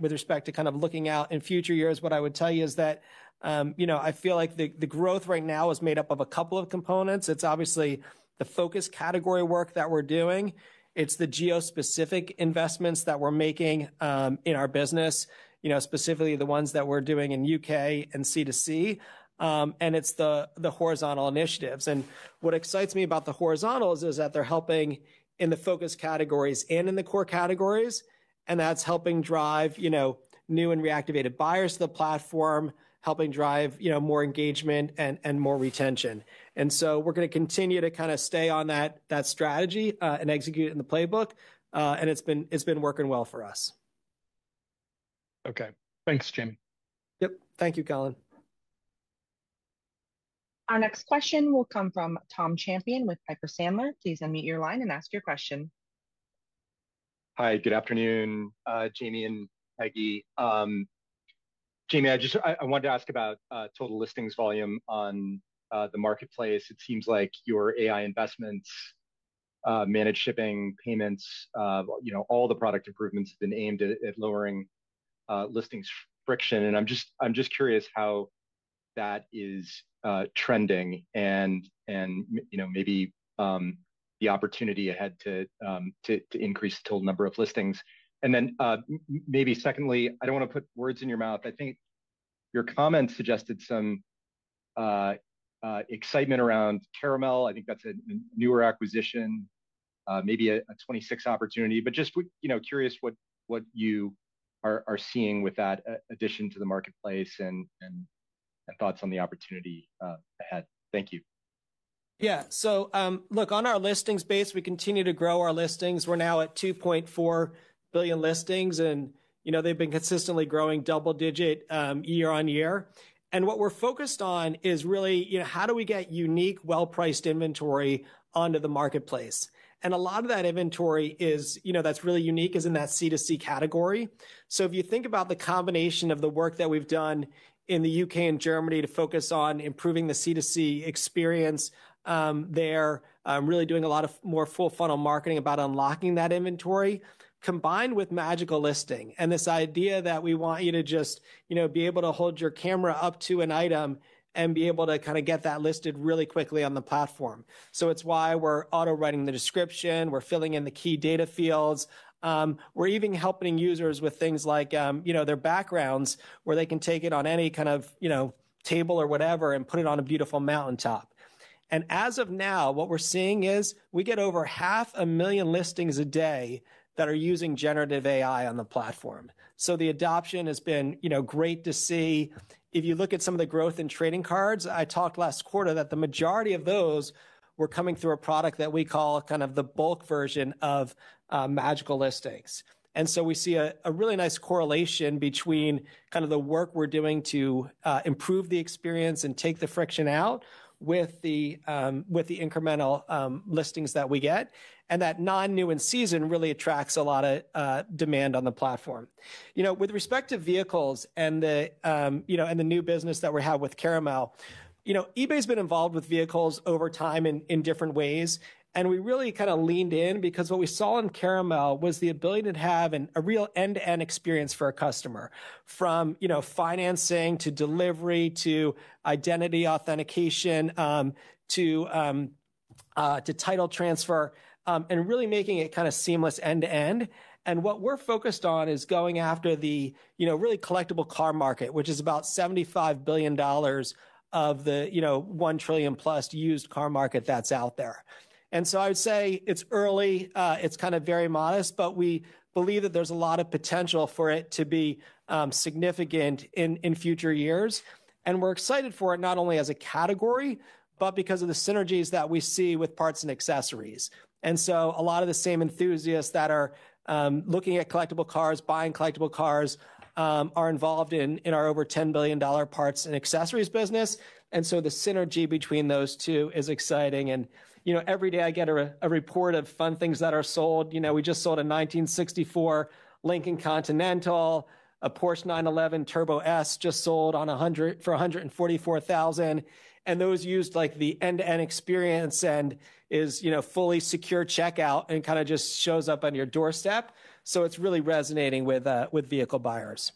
C: with respect to kind of looking out in future years. What I would tell you is that I feel like the growth right now is made up of a couple of components. It's obviously the focus category work that we're doing. It's the geo-specific investments that we're making in our business, specifically the ones that we're doing in the U.K. and C2C. It's the horizontal initiatives. What excites me about the horizontals is that they're helping in the focus categories and in the core categories. That's helping drive new and reactivated buyers to the platform, helping drive more engagement and more retention. We're going to continue to kind of stay on that strategy and execute it in the playbook. It's been working well for us.
J: Okay. Thanks, Jamie.
C: Yep. Thank you, Colin.
A: Our next question will come from Tom Champion with Piper Sandler. Please unmute your line and ask your question.
K: Hi. Good afternoon, Jamie and Peggy. Jamie, I wanted to ask about total listings volume on the marketplace. It seems like your AI investments, managed shipping, payments, all the product improvements have been aimed at lowering listings friction. I'm just curious how that is trending and maybe the opportunity ahead to increase the total number of listings. Secondly, I don't want to put words in your mouth. I think your comments suggested some excitement around Caramel. I think that's a newer acquisition, maybe a 2026 opportunity. Just curious what you are seeing with that addition to the marketplace and thoughts on the opportunity ahead. Thank you.
C: Yeah. On our listings base, we continue to grow our listings. We're now at 2.4 billion listings, and they've been consistently growing double-digit year on year. What we're focused on is really how do we get unique, well-priced inventory onto the marketplace? A lot of that inventory that's really unique is in that C2C category. If you think about the combination of the work that we've done in the U.K. and Germany to focus on improving the C2C experience, they're really doing a lot more full-funnel marketing about unlocking that inventory combined with Magical Listing and this idea that we want you to just be able to hold your camera up to an item and be able to get that listed really quickly on the platform. It's why we're auto-writing the description, we're filling in the key data fields, we're even helping users with things like their backgrounds where they can take it on any kind of table or whatever and put it on a beautiful mountaintop. As of now, what we're seeing is we get over half a million listings a day that are using generative AI on the platform. The adoption has been great to see. If you look at some of the growth in trading cards, I talked last quarter that the majority of those were coming through a product that we call the bulk version of Magical Listing. We see a really nice correlation between the work we're doing to improve the experience and take the friction out with the incremental listings that we get. That non-new in season really attracts a lot of demand on the platform. With respect to vehicles and the. New business that we have with Caramel, eBay has been involved with vehicles over time in different ways. We really kind of leaned in because what we saw in Caramel was the ability to have a real end-to-end experience for a customer from financing to delivery to identity authentication to title transfer and really making it kind of seamless end-to-end. What we're focused on is going after the really collectible car market, which is about $75 billion of the $1 trillion-plus used car market that's out there. I would say it's early. It's kind of very modest, but we believe that there's a lot of potential for it to be significant in future years. We're excited for it not only as a category, but because of the synergies that we see with parts and accessories. A lot of the same enthusiasts that are looking at collectible cars, buying collectible cars, are involved in our over $10 billion parts and accessories business. The synergy between those two is exciting. Every day I get a report of fun things that are sold. We just sold a 1964 Lincoln Continental, a Porsche 911 Turbo S just sold for $144,000. Those used the end-to-end experience and is fully secure checkout and kind of just shows up on your doorstep. It's really resonating with vehicle buyers.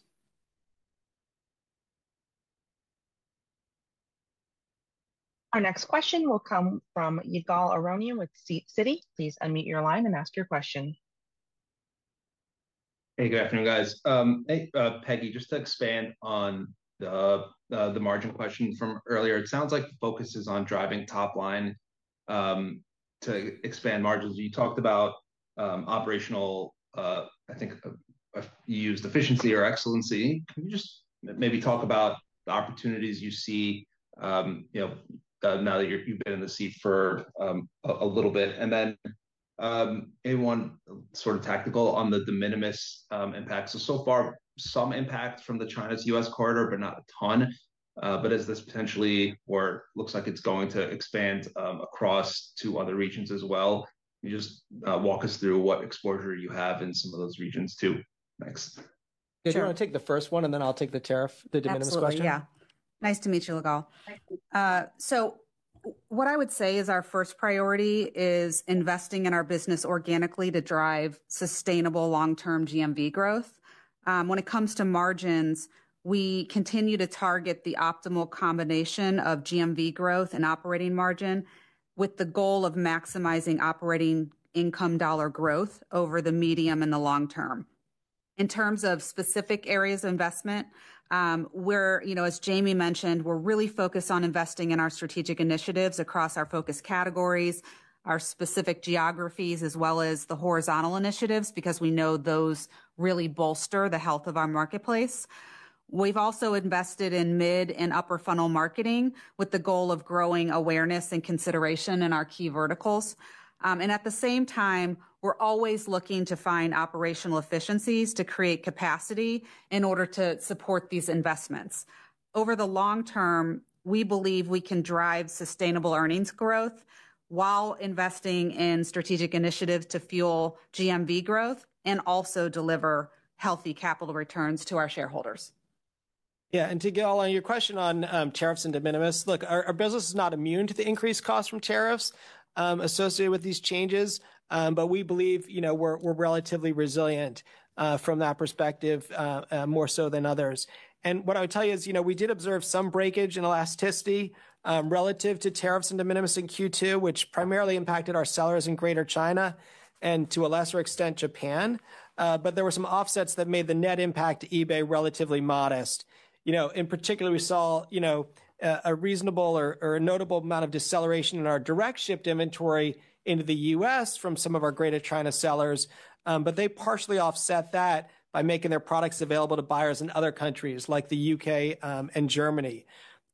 A: Our next question will come from Yigal Arounian with Citi. Please unmute your line and ask your question.
L: Hey, good afternoon, guys. Peggy, just to expand on the margin question from earlier, it sounds like the focus is on driving top-line to expand margins. You talked about operational, I think you used efficiency or excellency. Can you just maybe talk about the opportunities you see now that you've been in the seat for a little bit? Anyone sort of tactical on the de minimis impact? So far, some impact from the China-U.S. corridor, but not a ton. Is this potentially where it looks like it's going to expand across to other regions as well? Just walk us through what exposure you have in some of those regions too. Thanks.
C: Do you want to take the first one, and then I'll take the de minimis question?
D: Yeah. Nice to meet you, Yigal. What I would say is our first priority is investing in our business organically to drive sustainable long-term GMV growth. When it comes to margins, we continue to target the optimal combination of GMV growth and operating margin with the goal of maximizing operating income dollar growth over the medium and the long term. In terms of specific areas of investment, as Jamie mentioned, we're really focused on investing in our strategic initiatives across our focus categories, our specific geographies, as well as the horizontal initiatives because we know those really bolster the health of our marketplace. We've also invested in mid and upper-funnel marketing with the goal of growing awareness and consideration in our key verticals. At the same time, we're always looking to find operational efficiencies to create capacity in order to support these investments. Over the long term, we believe we can drive sustainable earnings growth while investing in strategic initiatives to fuel GMV growth and also deliver healthy capital returns to our shareholders.
C: Yeah. To get all on your question on tariffs and de minimis, look, our business is not immune to the increased costs from tariffs associated with these changes. We believe we're relatively resilient from that perspective, more so than others. What I would tell you is we did observe some breakage and elasticity relative to tariffs and de minimis in Q2, which primarily impacted our sellers in Greater China and to a lesser extent, Japan. There were some offsets that made the net impact to eBay relatively modest. In particular, we saw a reasonable or a notable amount of deceleration in our direct shipped inventory into the U.S. from some of our Greater China sellers. They partially offset that by making their products available to buyers in other countries like the U.K. and Germany.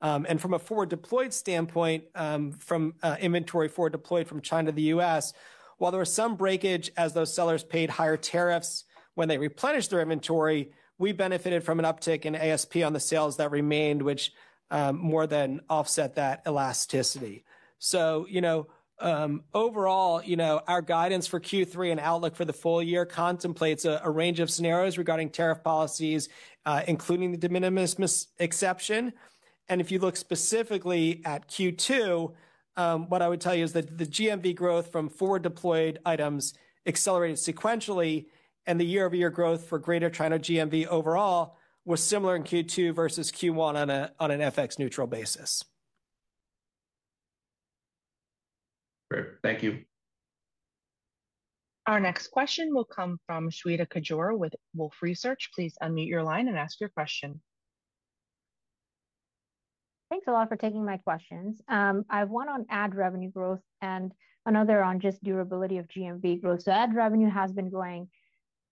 C: From a forward-deployed standpoint, from inventory forward-deployed from China to the U.S., while there was some breakage as those sellers paid higher tariffs when they replenished their inventory, we benefited from an uptick in ASP on the sales that remained, which more than offset that elasticity. Overall, our guidance for Q3 and outlook for the full year contemplates a range of scenarios regarding tariff policies, including the de minimis exception. If you look specifically at Q2, what I would tell you is that the GMV growth from forward-deployed items accelerated sequentially, and the year-over-year growth for Greater China GMV overall was similar in Q2 versus Q1 on an FX-neutral basis.
L: Great. Thank you.
A: Our next question will come from Shweta Khajuria with Wolfe Research. Please unmute your line and ask your question.
M: Thanks a lot for taking my questions. I have one on ad revenue growth and another on just durability of GMV growth. Ad revenue has been going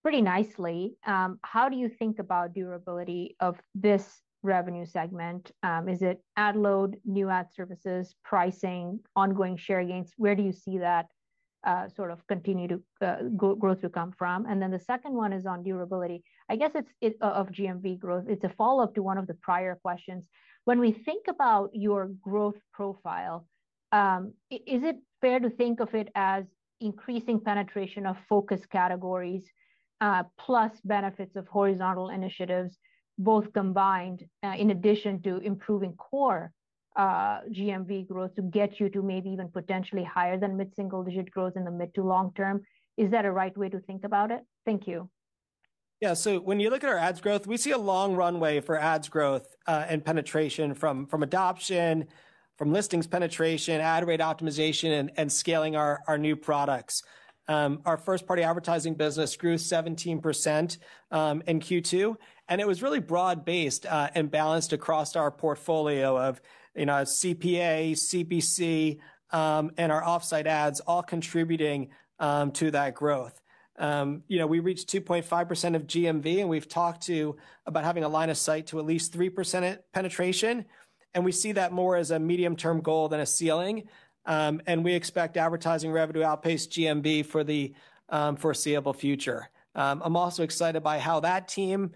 M: pretty nicely. How do you think about durability of this revenue segment? Is it ad load, new ad services, pricing, ongoing share gains? Where do you see that sort of continued growth to come from? The second one is on durability. I guess it's of GMV growth. It's a follow-up to one of the prior questions. When we think about your growth profile, is it fair to think of it as increasing penetration of focus categories plus benefits of horizontal initiatives, both combined in addition to improving core GMV growth to get you to maybe even potentially higher than mid-single digit growth in the mid to long term? Is that a right way to think about it? Thank you.
C: Yeah. When you look at our ads growth, we see a long runway for ads growth and penetration from adoption, from listings penetration, ad rate optimization, and scaling our new products. Our first-party advertising business grew 17% in Q2, and it was really broad-based and balanced across our portfolio of CPA, CBC, and our offsite ads, all contributing to that growth. We reached 2.5% of GMV, and we've talked about having a line of sight to at least 3% penetration. We see that more as a medium-term goal than a ceiling, and we expect advertising revenue to outpace GMV for the foreseeable future. I'm also excited by how that team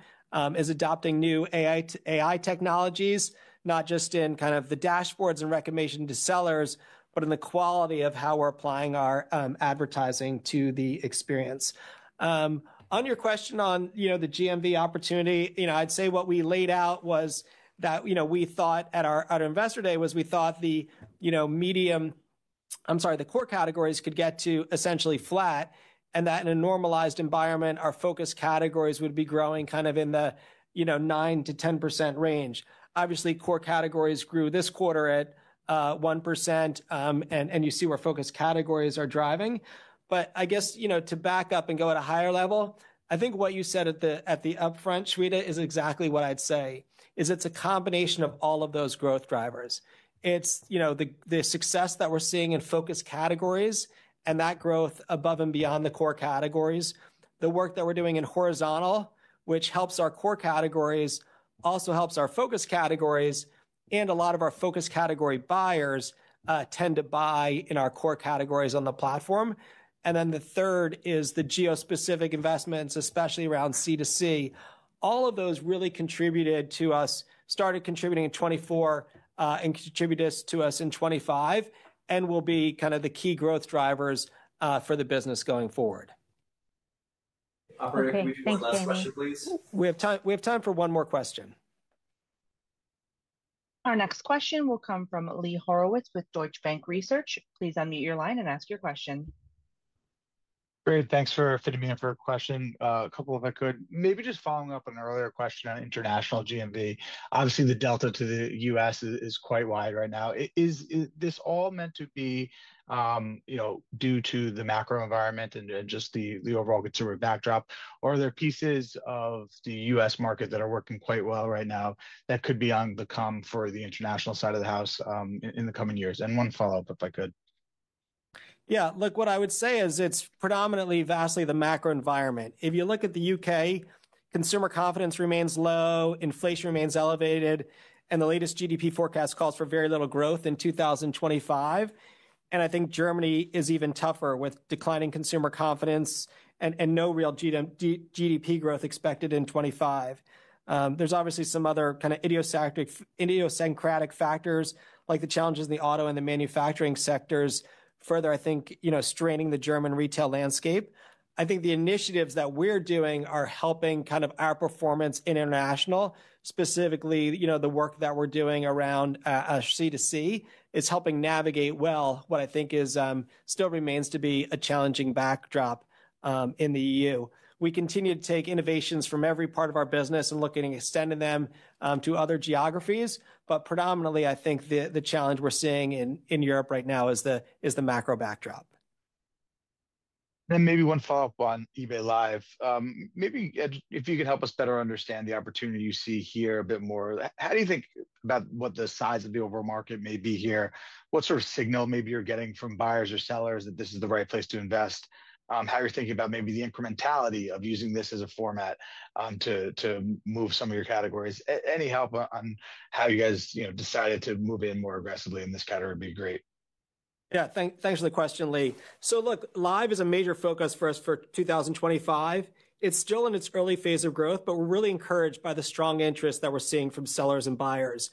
C: is adopting new AI technologies, not just in the dashboards and recommendation to sellers, but in the quality of how we're applying our advertising to the experience. On your question on the GMV opportunity, I'd say what we laid out at our investor day was we thought the core categories could get to essentially flat, and that in a normalized environment, our focus categories would be growing in the 9%-10% range. Core categories grew this quarter at 1%, and you see where focus categories are driving. To back up and go at a higher level, I think what you said at the upfront, Shweta, is exactly what I'd say. It's a combination of all of those growth drivers. It's the success that we're seeing in focus categories and that growth above and beyond the core categories. The work that we're doing in horizontal, which helps our core categories, also helps our focus categories. A lot of our focus category buyers tend to buy in our core categories on the platform. The third is the geo-specific investments, especially around C2C. All of those really contributed to us, started contributing in 2024, contributed to us in 2025, and will be kind of the key growth drivers for the business going forward. Operator, can we do the last question, please? We have time for one more question.
A: Our next question will come from Lee Horowitz with Deutsche Bank Research. Please unmute your line and ask your question.
N: Great. Thanks for fitting me in for a question. A couple of them if I could. Maybe just following up on an earlier question on international GMV. Obviously, the delta to the U.S. is quite wide right now. Is this all meant to be due to the macro environment and just the overall consumer backdrop? Are there pieces of the U.S. market that are working quite well right now that could be on the come for the international side of the house in the coming years? One follow-up, if I could.
C: Yeah. Look, what I would say is it's predominantly vastly the macro environment. If you look at the U.K., consumer confidence remains low, inflation remains elevated, and the latest GDP forecast calls for very little growth in 2025. I think Germany is even tougher with declining consumer confidence and no real GDP growth expected in 2025. There are obviously some other kind of idiosyncratic factors, like the challenges in the auto and the manufacturing sectors, further, I think, straining the German retail landscape. I think the initiatives that we're doing are helping kind of our performance in international, specifically the work that we're doing around C2C, is helping navigate well what I think still remains to be a challenging backdrop in the EU. We continue to take innovations from every part of our business and look at extending them to other geographies. Predominantly, I think the challenge we're seeing in Europe right now is the macro backdrop.
N: Maybe one follow-up on eBay Live. Maybe if you could help us better understand the opportunity you see here a bit more, how do you think about what the size of the overall market may be here? What sort of signal maybe you're getting from buyers or sellers that this is the right place to invest? How you're thinking about maybe the incrementality of using this as a format to move some of your categories? Any help on how you guys decided to move in more aggressively in this category would be great.
C: Yeah. Thanks for the question, Lee. Look, Live is a major focus for us for 2025. It's still in its early phase of growth, but we're really encouraged by the strong interest that we're seeing from sellers and buyers.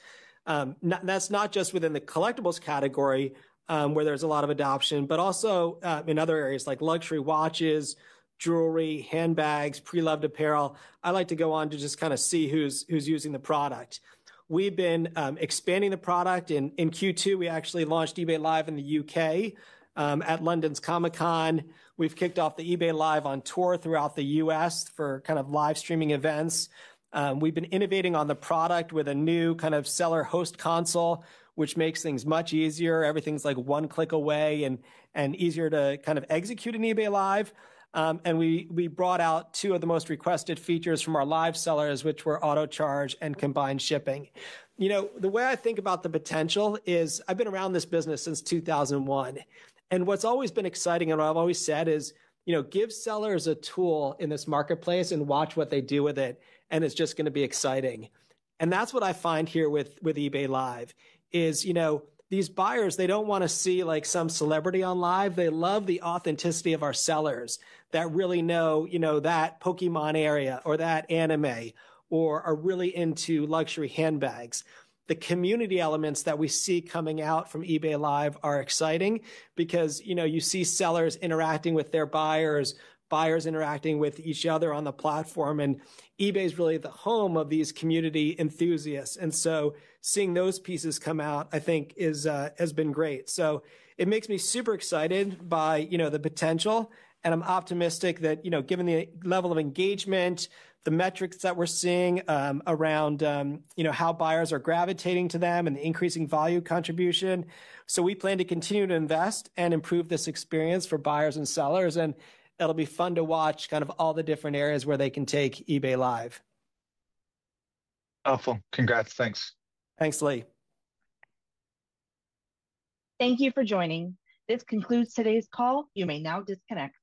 C: That's not just within the collectibles category where there's a lot of adoption, but also in other areas like luxury watches, jewelry, handbags, pre-loved apparel. I like to go on to just kind of see who's using the product. We've been expanding the product. In Q2, we actually launched eBay Live in the U.K. At London's Comic-Con, we've kicked off the eBay Live on tour throughout the U.S. for kind of live streaming events. We've been innovating on the product with a new kind of seller host console, which makes things much easier. Everything's like one click away and easier to kind of execute an eBay Live. We brought out two of the most requested features from our live sellers, which were auto charge and combined shipping. The way I think about the potential is I've been around this business since 2001. What's always been exciting and what I've always said is give sellers a tool in this marketplace and watch what they do with it. It's just going to be exciting. That's what I find here with eBay Live. These buyers, they don't want to see some celebrity on live. They love the authenticity of our sellers that really know that Pokémon area or that anime or are really into luxury handbags. The community elements that we see coming out from eBay Live are exciting because you see sellers interacting with their buyers, buyers interacting with each other on the platform. eBay is really the home of these community enthusiasts. Seeing those pieces come out, I think, has been great. It makes me super excited by the potential. I'm optimistic that given the level of engagement, the metrics that we're seeing around how buyers are gravitating to them and the increasing value contribution. We plan to continue to invest and improve this experience for buyers and sellers. It'll be fun to watch all the different areas where they can take eBay Live.
N: Awesome. Congrats. Thanks.
C: Thanks, Lee.
A: Thank you for joining. This concludes today's call. You may now disconnect.